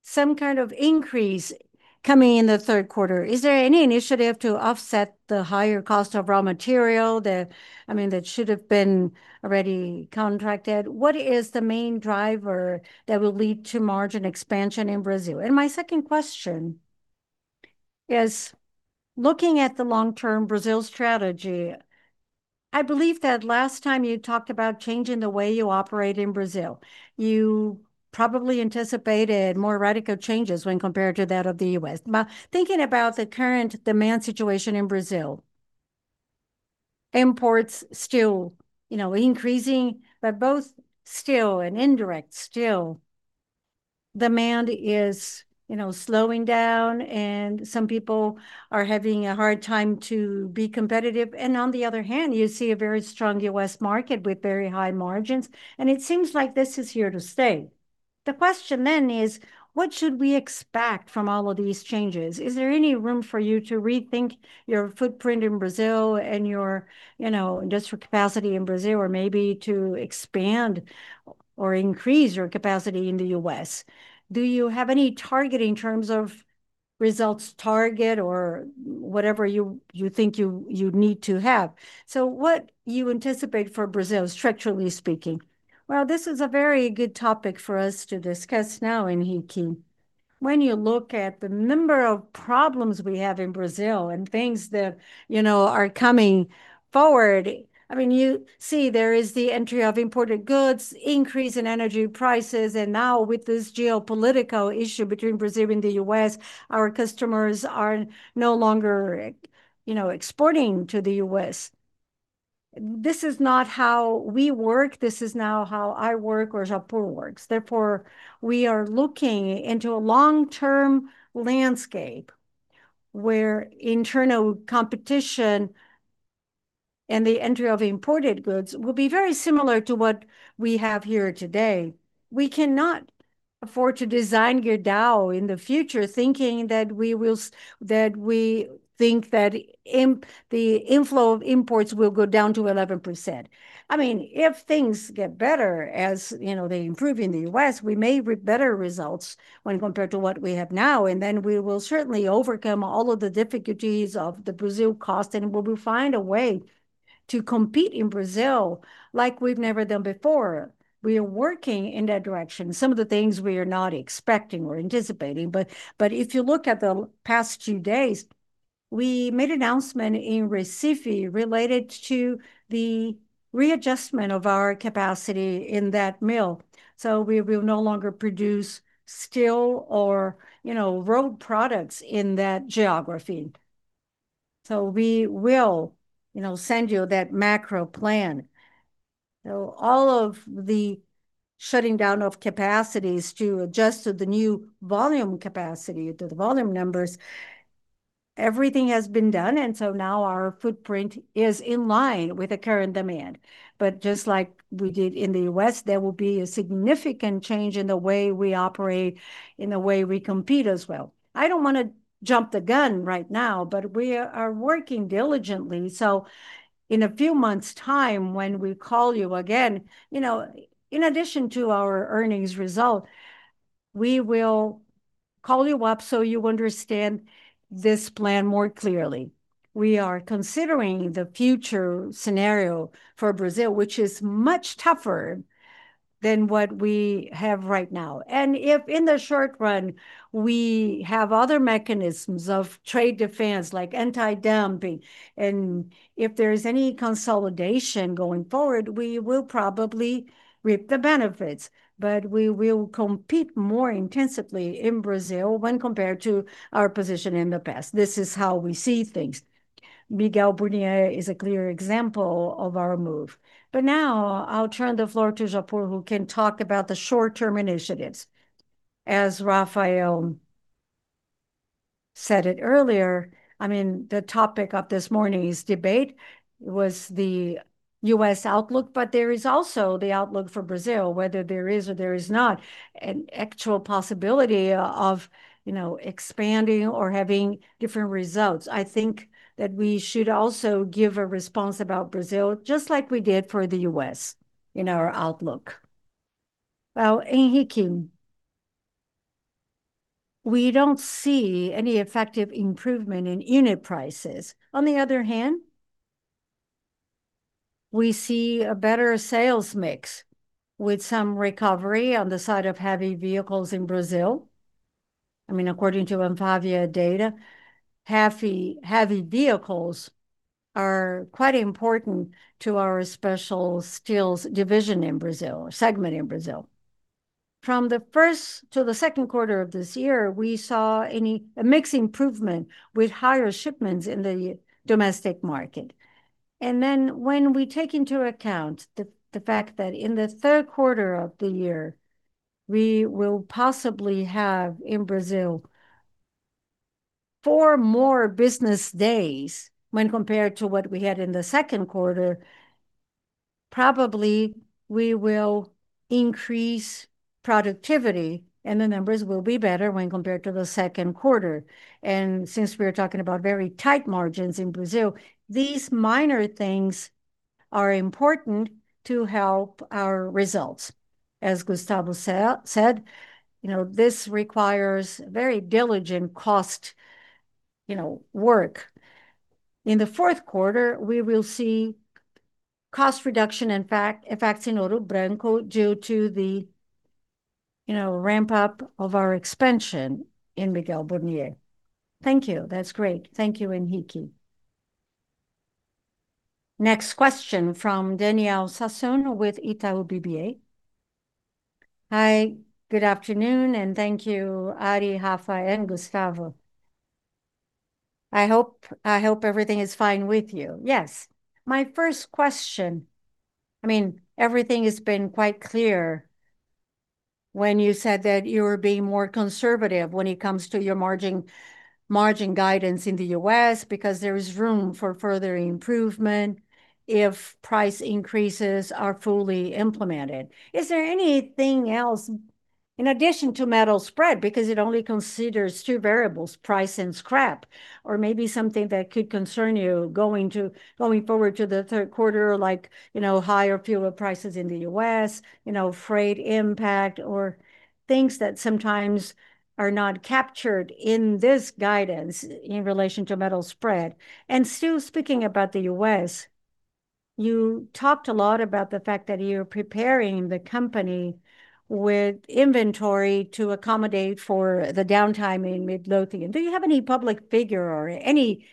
some kind of increase coming in the third quarter. Is there any initiative to offset the higher cost of raw material that should have been already contracted? What is the main driver that will lead to margin expansion in Brazil? My second question is, looking at the long-term Brazil strategy, I believe that last time you talked about changing the way you operate in Brazil. You probably anticipated more radical changes when compared to that of the U.S. Thinking about the current demand situation in Brazil, imports still increasing. Both steel and indirect steel demand is slowing down. Some people are having a hard time to be competitive. On the other hand, you see a very strong U.S. market with very high margins, and it seems like this is here to stay. The question then is, what should we expect from all of these changes? Is there any room for you to rethink your footprint in Brazil and your industrial capacity in Brazil, or maybe to expand or increase your capacity in the U.S.? Do you have any target in terms of results target or whatever you think you need to have? What you anticipate for Brazil, structurally speaking? Well, this is a very good topic for us to discuss now, Ehiki. When you look at the number of problems we have in Brazil and things that are coming forward, you see there is the entry of imported goods, increase in energy prices, and now with this geopolitical issue between Brazil and the U.S., our customers are no longer exporting to the U.S. This is not how we work. This is now how I work or Japur works. Therefore, we are looking into a long-term landscape where internal competition and the entry of imported goods will be very similar to what we have here today. We cannot for to design Gerdau in the future, thinking that we think that the inflow of imports will go down to 11%. If things get better, as they improve in the U.S., we may reap better results when compared to what we have now, then we will certainly overcome all of the difficulties of the Brazil cost, and we will find a way to compete in Brazil like we've never done before. We are working in that direction. Some of the things we are not expecting or anticipating, but if you look at the past few days, we made an announcement in Recife related to the readjustment of our capacity in that mill. We will no longer produce steel or road products in that geography. We will send you that macro plan. All of the shutting down of capacities to adjust to the new volume capacity, to the volume numbers, everything has been done, and now our footprint is in line with the current demand. Just like we did in the U.S., there will be a significant change in the way we operate, in the way we compete as well. I don't want to jump the gun right now, but we are working diligently, in a few months' time, when we call you again, in addition to our earnings result, we will call you up so you understand this plan more clearly. We are considering the future scenario for Brazil, which is much tougher than what we have right now. If in the short run, we have other mechanisms of trade defense, like anti-dumping, and if there's any consolidation going forward, we will probably reap the benefits. We will compete more intensively in Brazil when compared to our position in the past. This is how we see things. Miguel Burnier is a clear example of our move. Now I'll turn the floor to Japur, who can talk about the short-term initiatives. As Rafael said it earlier, the topic of this morning's debate was the U.S. outlook, but there is also the outlook for Brazil, whether there is or there is not an actual possibility of expanding or having different results. I think that we should also give a response about Brazil, just like we did for the U.S. in our outlook. Well, Ehiki, we don't see any effective improvement in unit prices. On the other hand, we see a better sales mix with some recovery on the side of heavy vehicles in Brazil. According to ANFAVEA data, heavy vehicles are quite important to our special steels division in Brazil, or segment in Brazil. From the first to the second quarter of this year, we saw a mix improvement with higher shipments in the domestic market. When we take into account the fact that in the third quarter of the year, we will possibly have in Brazil four more business days when compared to what we had in the second quarter, probably we will increase productivity, and the numbers will be better when compared to the second quarter. Since we are talking about very tight margins in Brazil, these minor things are important to help our results. As Gustavo said, this requires very diligent cost work. In the fourth quarter, we will see cost reduction effects in Ouro Branco due to the ramp-up of our expansion in Miguel Burnier. Thank you. That's great. Thank you, Ehiki. Next question from Daniel Sasson with Itaú BBA. Hi, good afternoon, and thank you, Ari, Rafa, and Gustavo. I hope everything is fine with you. Yes. My first question, everything has been quite clear when you said that you were being more conservative when it comes to your margin guidance in the U.S. because there is room for further improvement if price increases are fully implemented. Is there anything else in addition to metal spread, because it only considers two variables, price and scrap, or maybe something that could concern you going forward to the third quarter, like higher fuel prices in the U.S., freight impact, or things that sometimes are not captured in this guidance in relation to metal spread? Still speaking about the U.S., you talked a lot about the fact that you're preparing the company with inventory to accommodate for the downtime in Midlothian. Do you have any public figure or any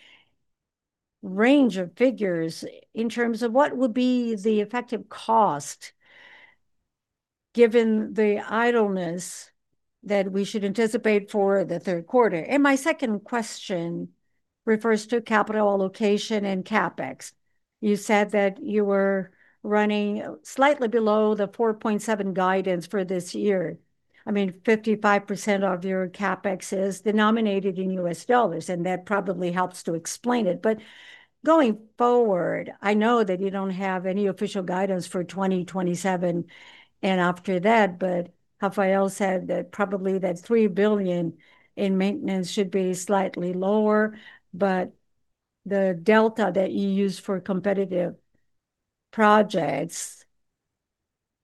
range of figures in terms of what would be the effective cost given the idleness that we should anticipate for the third quarter? My second question refers to capital allocation and CapEx. You said that you were running slightly below the 4.7 guidance for this year. 55% of your CapEx is denominated in US dollars, that probably helps to explain it. Going forward, I know that you don't have any official guidance for 2027 and after that, but Rafael said that probably that $3 billion in maintenance should be slightly lower. The delta that you use for competitive projects,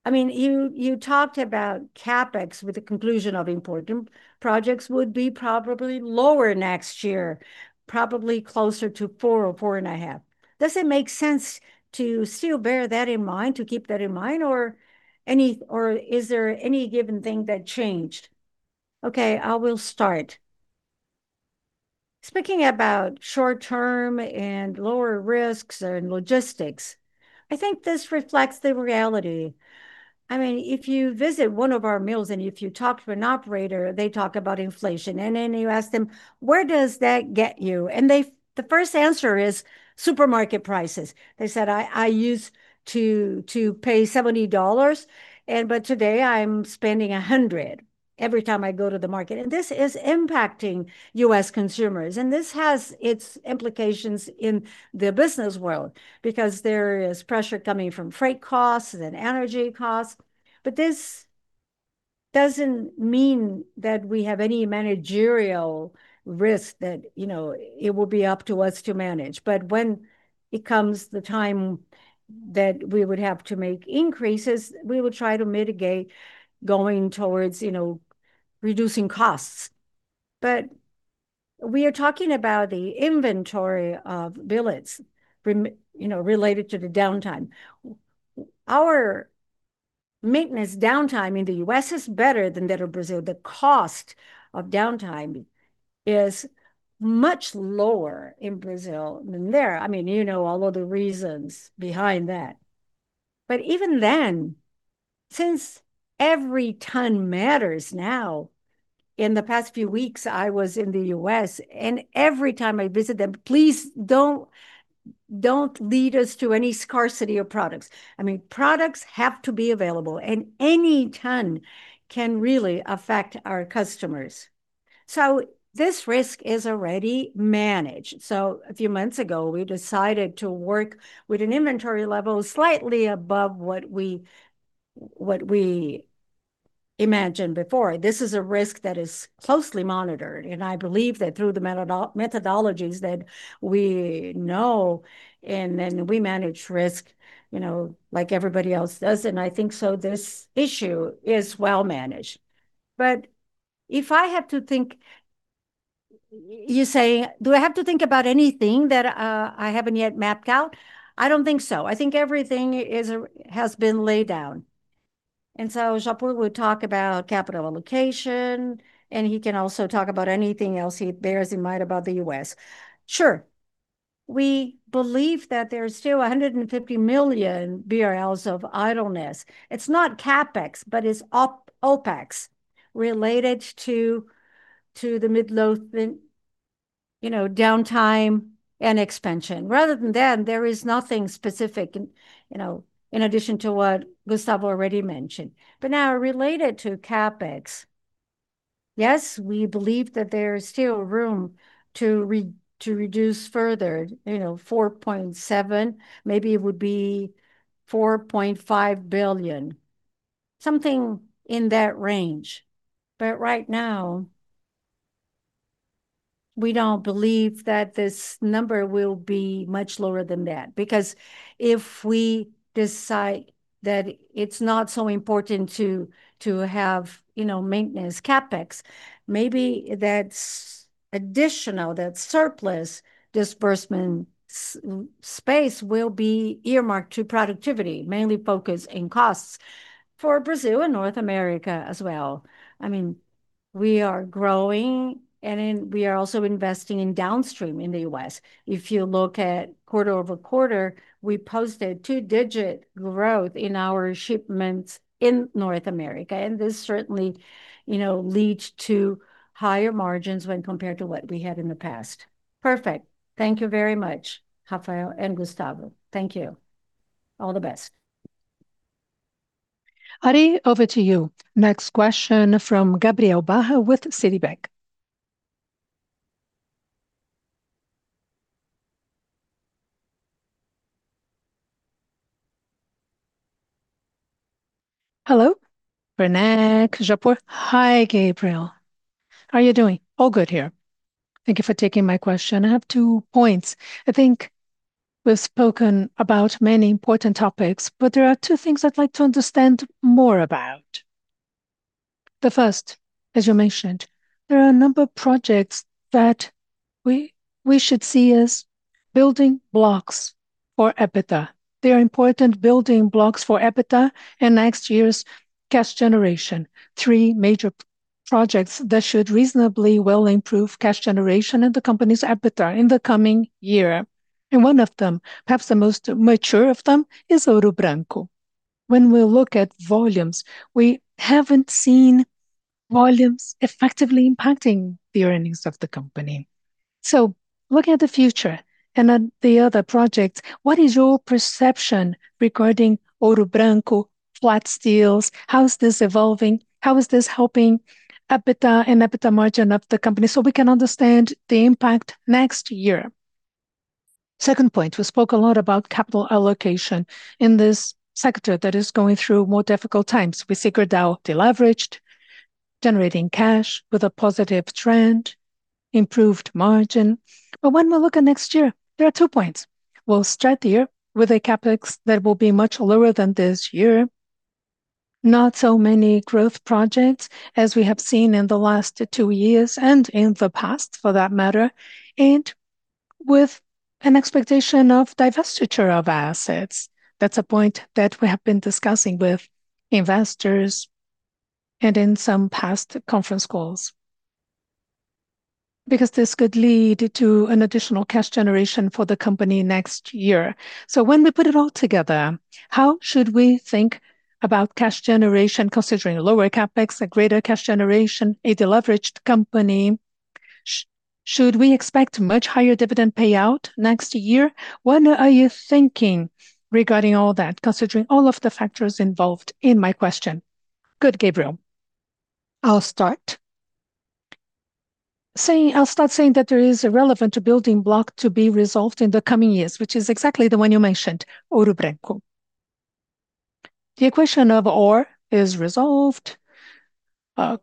you talked about CapEx with the conclusion of important projects would be probably lower next year, probably closer to 4 to 4.5. Does it make sense to still bear that in mind, to keep that in mind, or is there any given thing that changed? Okay, I will start. Speaking about short-term and lower risks and logistics, I think this reflects the reality. If you visit one of our mills and if you talk to an operator, then you ask them, "Where does that get you?" The first answer is supermarket prices. They said, "I used to pay BRL 70, but today I'm spending 100 every time I go to the market." This is impacting U.S. consumers, and this has its implications in the business world because there is pressure coming from freight costs, then energy costs. This doesn't mean that we have any managerial risk that it will be up to us to manage. When it comes the time that we would have to make increases, we will try to mitigate going towards reducing costs. We are talking about the inventory of billets related to the downtime. Our maintenance downtime in the U.S. is better than that of Brazil. The cost of downtime is much lower in Brazil than there. You know all of the reasons behind that. Even then, since every ton matters now, in the past few weeks, I was in the U.S., and every time I visit them, "Please don't lead us to any scarcity of products." Products have to be available, and any ton can really affect our customers. This risk is already managed. A few months ago, we decided to work with an inventory level slightly above what we imagined before. This is a risk that is closely monitored, and I believe that through the methodologies that we know, we manage risk, like everybody else does. I think so this issue is well managed. If I have to think, you say, do I have to think about anything that I haven't yet mapped out? I don't think so. I think everything has been laid down. Japur will talk about capital allocation, and he can also talk about anything else he bears in mind about the U.S. Sure. We believe that there is still 150 million barrels of idleness. It's not CapEx, but it's OpEx related to the Midlothian downtime and expansion. Rather than, there is nothing specific in addition to what Gustavo already mentioned. Now related to CapEx, yes, we believe that there is still room to reduce further, 4.7 billion, maybe it would be 4.5 billion. Something in that range. Right now, we don't believe that this number will be much lower than that because if we decide that it's not so important to have maintenance CapEx, maybe that's additional, that surplus disbursement space will be earmarked to productivity, mainly focused in costs for Brazil and North America as well. We are growing, we are also investing in downstream in the U.S. If you look at quarter-over-quarter, we posted two-digit growth in our shipments in North America, this certainly leads to higher margins when compared to what we had in the past. Perfect. Thank you very much, Rafael and Gustavo. Thank you. All the best. Ari, over to you. Next question from Gabriel Barra with Citibank. Hello, Werneck, Japur. Hi, Gabriel. How are you doing? All good here. Thank you for taking my question. I have two points. I think we've spoken about many important topics. There are two things I'd like to understand more about. The first, as you mentioned, there are a number of projects that we should see as building blocks for EBITDA. They are important building blocks for EBITDA and next year's cash generation. Three major projects that should reasonably well improve cash generation and the company's EBITDA in the coming year. One of them, perhaps the most mature of them, is Ouro Branco. When we look at volumes, we haven't seen volumes effectively impacting the earnings of the company. Looking at the future and at the other projects, what is your perception regarding Ouro Branco flat steels? How is this evolving? How is this helping EBITDA and EBITDA margin of the company so we can understand the impact next year? Second point, we spoke a lot about capital allocation in this sector that is going through more difficult times. We see Gerdau deleveraged, generating cash with a positive trend, improved margin. When we look at next year, there are two points. We'll start the year with a CapEx that will be much lower than this year. Not so many growth projects as we have seen in the last two years, in the past for that matter, and with an expectation of divestiture of assets. That's a point that we have been discussing with investors and in some past conference calls because this could lead to an additional cash generation for the company next year. When we put it all together, how should we think about cash generation considering lower CapEx, a greater cash generation, a deleveraged company? Should we expect much higher dividend payout next year? What are you thinking regarding all that, considering all of the factors involved in my question? Good, Gabriel. I'll start saying that there is a relevant building block to be resolved in the coming years, which is exactly the one you mentioned, Ouro Branco. The equation of ore is resolved.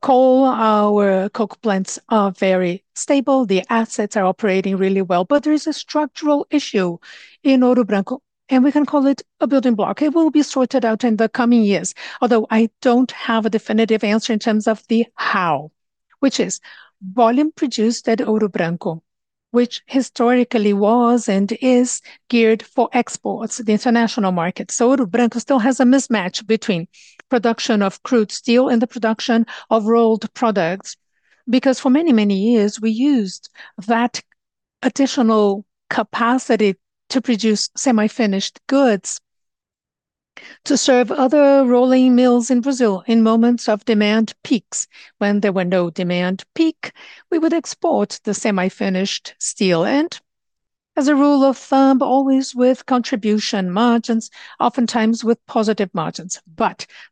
Coal, our coke plants are very stable. The assets are operating really well. There is a structural issue in Ouro Branco. We can call it a building block. It will be sorted out in the coming years, although I don't have a definitive answer in terms of the how. Which is volume produced at Ouro Branco, which historically was and is geared for exports to the international market. Ouro Branco still has a mismatch between production of crude steel and the production of rolled products because for many, many years, we used that additional capacity to produce semi-finished goods to serve other rolling mills in Brazil in moments of demand peaks. When there were no demand peak, we would export the semi-finished steel and as a rule of thumb, always with contribution margins, oftentimes with positive margins.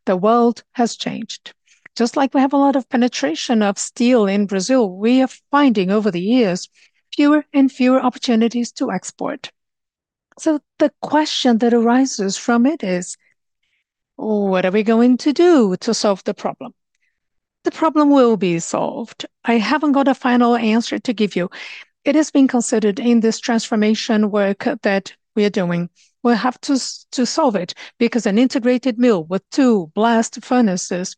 The world has changed. Just like we have a lot of penetration of steel in Brazil, we are finding over the years fewer and fewer opportunities to export. The question that arises from it is, what are we going to do to solve the problem? The problem will be solved. I haven't got a final answer to give you. It is being considered in this transformation work that we are doing. We'll have to solve it because an integrated mill with two blast furnaces,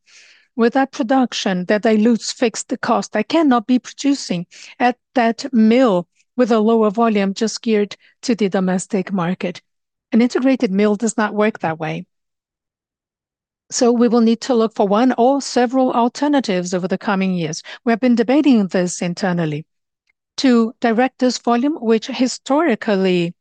with that production that dilutes fixed cost, I cannot be producing at that mill with a lower volume just geared to the domestic market. An integrated mill does not work that way. We will need to look for one or several alternatives over the coming years. We have been debating this internally to direct this volume, which historically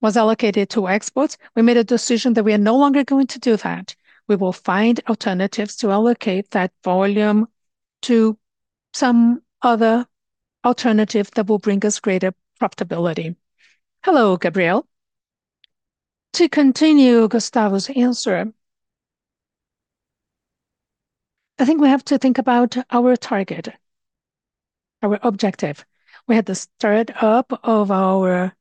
was allocated to exports. We made a decision that we are no longer going to do that. We will find alternatives to allocate that volume to some other alternative that will bring us greater profitability. Hello, Gabriel. To continue Gustavo's answer, I think we have to think about our target, our objective. We had the start up of our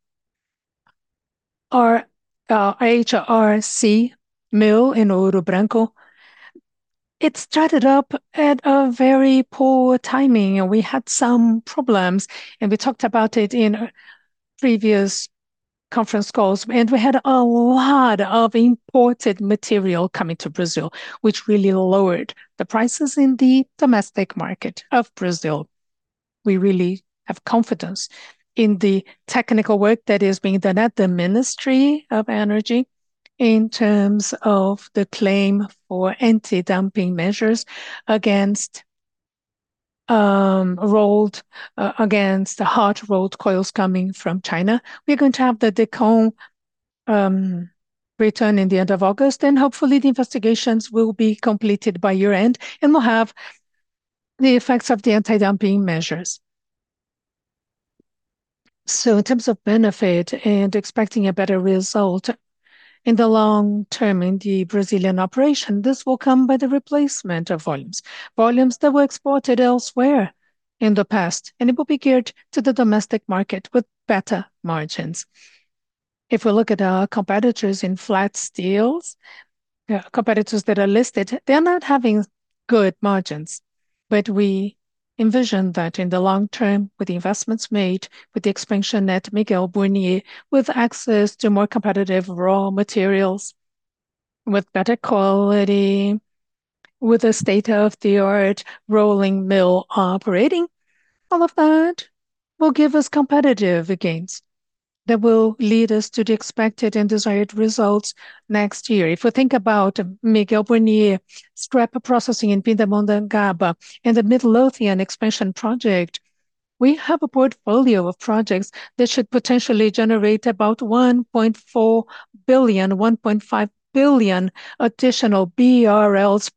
HRC mill in Ouro Branco. It started up at a very poor timing, and we had some problems, and we talked about it in previous conference calls, and we had a lot of imported material coming to Brazil, which really lowered the prices in the domestic market of Brazil. We really have confidence in the technical work that is being done at the Ministry of Energy in terms of the claim for anti-dumping measures against hot-rolled coils coming from China. We're going to have the DECOM return in the end of August, and hopefully the investigations will be completed by year-end, and we'll have the effects of the anti-dumping measures. In terms of benefit and expecting a better result in the long term in the Brazilian operation, this will come by the replacement of volumes that were exported elsewhere in the past, and it will be geared to the domestic market with better margins. If we look at our competitors in flat steels, competitors that are listed, they are not having good margins. We envision that in the long term, with the investments made, with the expansion at Miguel Burnier, with access to more competitive raw materials, with better quality, with a state-of-the-art rolling mill operating, all of that will give us competitive gains that will lead us to the expected and desired results next year. If we think about Miguel Burnier scrap processing in Pindamonhangaba, and the Midlothian expansion project. We have a portfolio of projects that should potentially generate about 1.4 billion, 1.5 billion BRL additional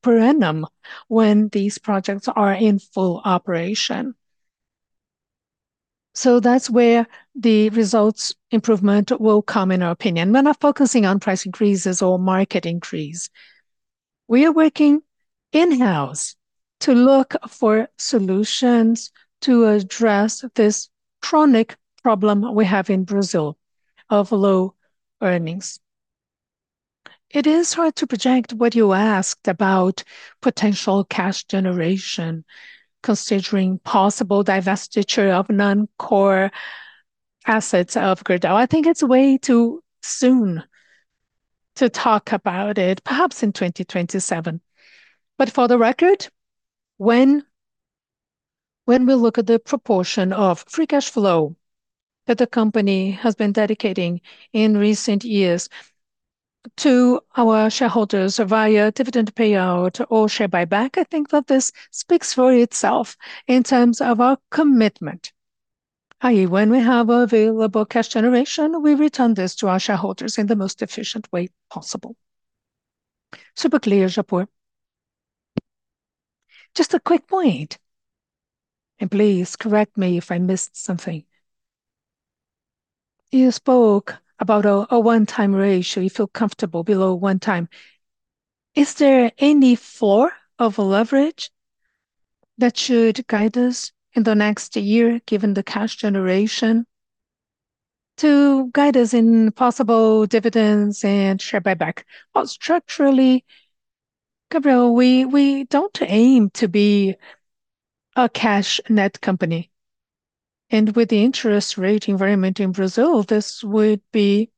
per annum when these projects are in full operation. That's where the results improvement will come, in our opinion. We're not focusing on price increases or market increase. We are working in-house to look for solutions to address this chronic problem we have in Brazil of low earnings. It is hard to project what you asked about potential cash generation considering possible divestiture of non-core assets of Gerdau. I think it's way too soon to talk about it. Perhaps in 2027. For the record, when we look at the proportion of free cash flow that the company has been dedicating in recent years to our shareholders via dividend payout or share buyback, I think that this speaks for itself in terms of our commitment, i.e., when we have available cash generation, we return this to our shareholders in the most efficient way possible. Super clear, Japur. Just a quick point, and please correct me if I missed something. You spoke about a one-time ratio, you feel comfortable below one time. Is there any floor of leverage that should guide us in the next year, given the cash generation to guide us in possible dividends and share buyback? Well, structurally, Gabriel, we don't aim to be a cash net company. With the interest rate environment in Brazil, this would be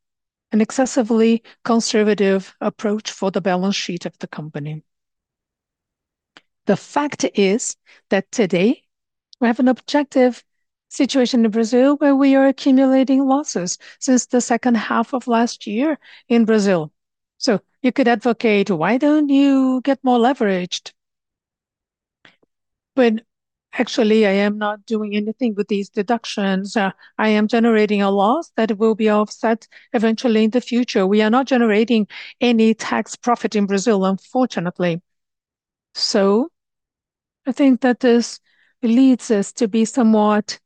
an excessively conservative approach for the balance sheet of the company. The fact is that today we have an objective situation in Brazil where we are accumulating losses since the second half of last year in Brazil. You could advocate, why don't you get more leveraged when actually I am not doing anything with these deductions. I am generating a loss that will be offset eventually in the future. We are not generating any tax profit in Brazil, unfortunately. I think that this leads us to be somewhat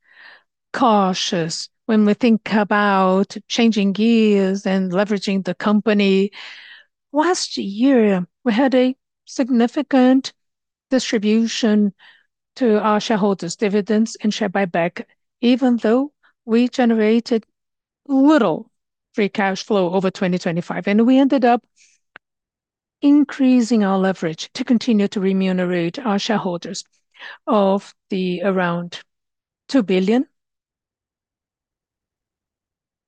cautious when we think about changing gears and leveraging the company. Last year, we had a significant distribution to our shareholders, dividends, and share buyback, even though we generated little free cash flow over 2025. We ended up increasing our leverage to continue to remunerate our shareholders of the around 2 billion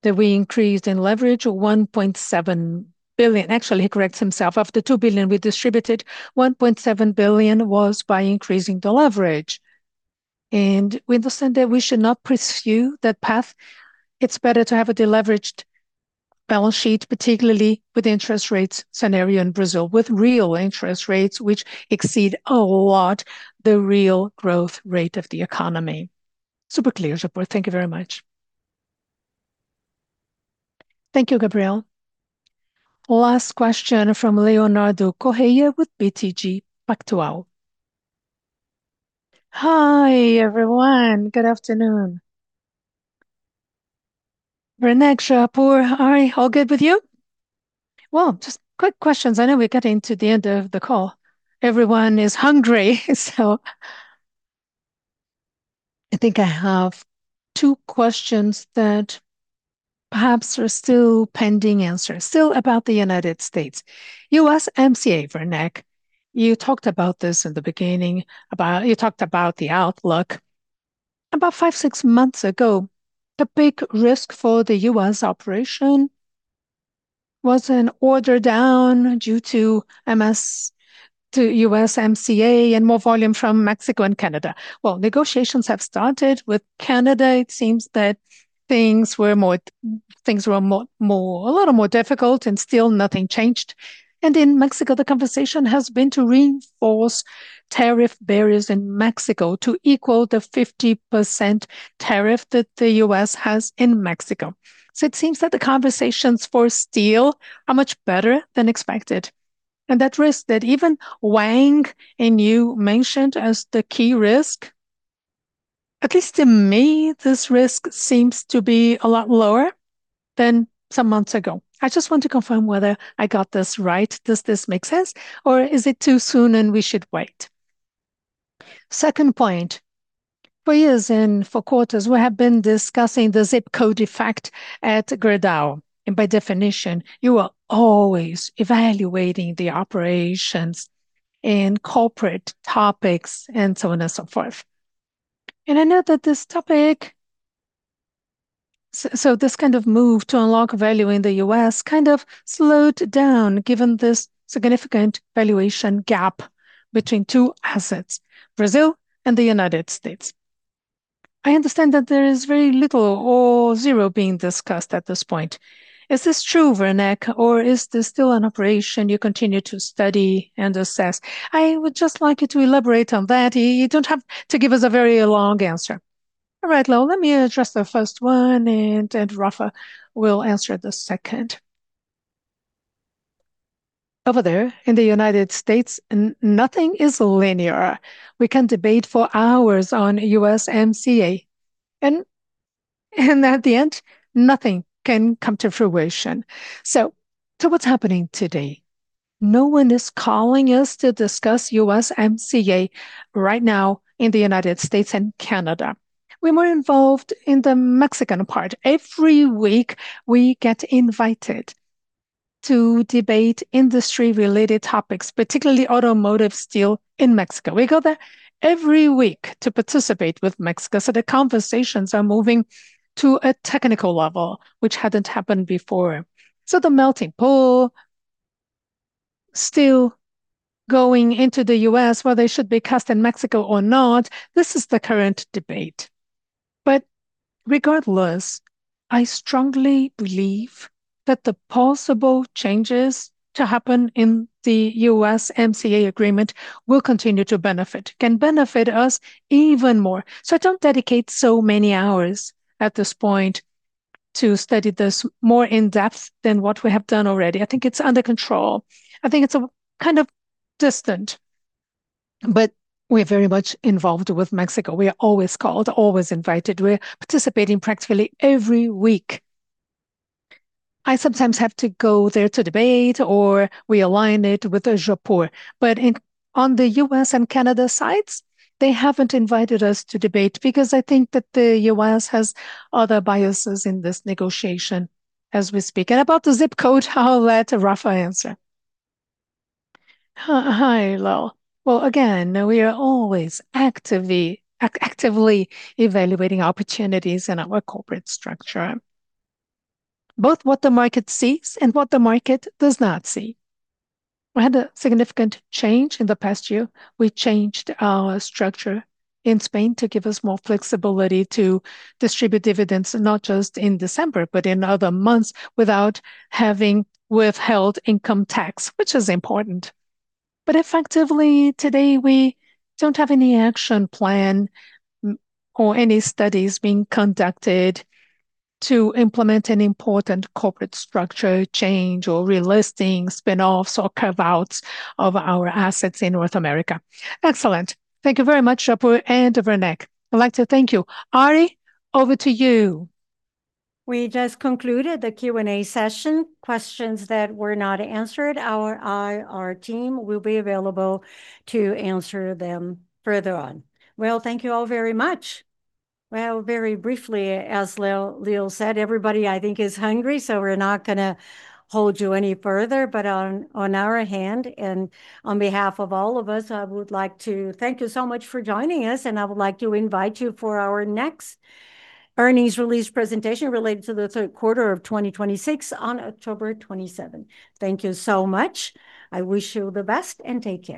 that we increased in leverage, 1.7 billion. Of the 2 billion we distributed, 1.7 billion was by increasing the leverage. We understand that we should not pursue that path. It's better to have a deleveraged balance sheet, particularly with interest rates scenario in Brazil, with real interest rates, which exceed a lot the real growth rate of the economy. Super clear, Japur. Thank you very much. Thank you, Gabriel. Last question from Leonardo Correa with BTG Pactual. Hi, everyone. Good afternoon. Werneck, Japur, Harley, all good with you? Just quick questions. I know we're getting to the end of the call. Everyone is hungry so I think I have two questions that perhaps are still pending answers. Still about the United States. USMCA, Werneck. You talked about this in the beginning. You talked about the outlook. About five, six months ago, the big risk for the U.S. Operation was an order down due to USMCA and more volume from Mexico and Canada. Negotiations have started with Canada. It seems that things were a lot more difficult and still nothing changed. In Mexico, the conversation has been to reinforce tariff barriers in Mexico to equal the 50% tariff that the U.S. has in Mexico. It seems that the conversations for steel are much better than expected. That risk that even Wang and you mentioned as the key risk, at least to me, this risk seems to be a lot lower than some months ago. I just want to confirm whether I got this right. Does this make sense, or is it too soon and we should wait? Second point for years and for quarters, we have been discussing the zip code effect at Gerdau. By definition, you are always evaluating the operations in corporate topics and so on and so forth. I know that this topic, this kind of move to unlock value in the U.S. kind of slowed down given this significant valuation gap between two assets, Brazil and the United States. I understand that there is very little or zero being discussed at this point. Is this true, Werneck, or is this still an operation you continue to study and assess? I would just like you to elaborate on that. You don't have to give us a very long answer. All right, Leo, let me address the first one, and Rafa will answer the second. Over there in the United States, nothing is linear. We can debate for hours on USMCA. At the end, nothing can come to fruition. What's happening today? No one is calling us to discuss USMCA right now in the United States and Canada. We were involved in the Mexican part. Every week, we get invited to debate industry-related topics, particularly automotive steel in Mexico. We go there every week to participate with Mexico. The conversations are moving to a technical level, which hadn't happened before. The melting pool, steel going into the U.S., whether it should be cast in Mexico or not, this is the current debate. Regardless, I strongly believe that the possible changes to happen in the USMCA agreement will continue to benefit, can benefit us even more. I don't dedicate so many hours at this point to study this more in-depth than what we have done already. I think it's under control. I think it's kind of distant. We're very much involved with Mexico. We are always called, always invited. We're participating practically every week. I sometimes have to go there to debate, or we align it with Japur. On the U.S. and Canada sides, they haven't invited us to debate because I think that the U.S. has other biases in this negotiation as we speak. About the zip code, I'll let Rafa answer. Hi, Leo. Again, we are always actively evaluating opportunities in our corporate structure, both what the market sees and what the market does not see. We had a significant change in the past year. We changed our structure in Spain to give us more flexibility to distribute dividends, not just in December, but in other months without having withheld income tax, which is important. Effectively today, we don't have any action plan or any studies being conducted to implement an important corporate structure change or relisting, spin-offs, or carve-outs of our assets in North America. Excellent. Thank you very much, Japur and Werneck. I'd like to thank you. Ari, over to you. We just concluded the Q&A session. Questions that were not answered, our IR team will be available to answer them further on. Well, thank you all very much. Well, very briefly, as Leo said, everybody I think is hungry, so we're not going to hold you any further. But on our hand and on behalf of all of us, I would like to thank you so much for joining us, and I would like to invite you for our next earnings release presentation related to the third quarter of 2026 on October 27th. Thank you so much. I wish you the best, and take care.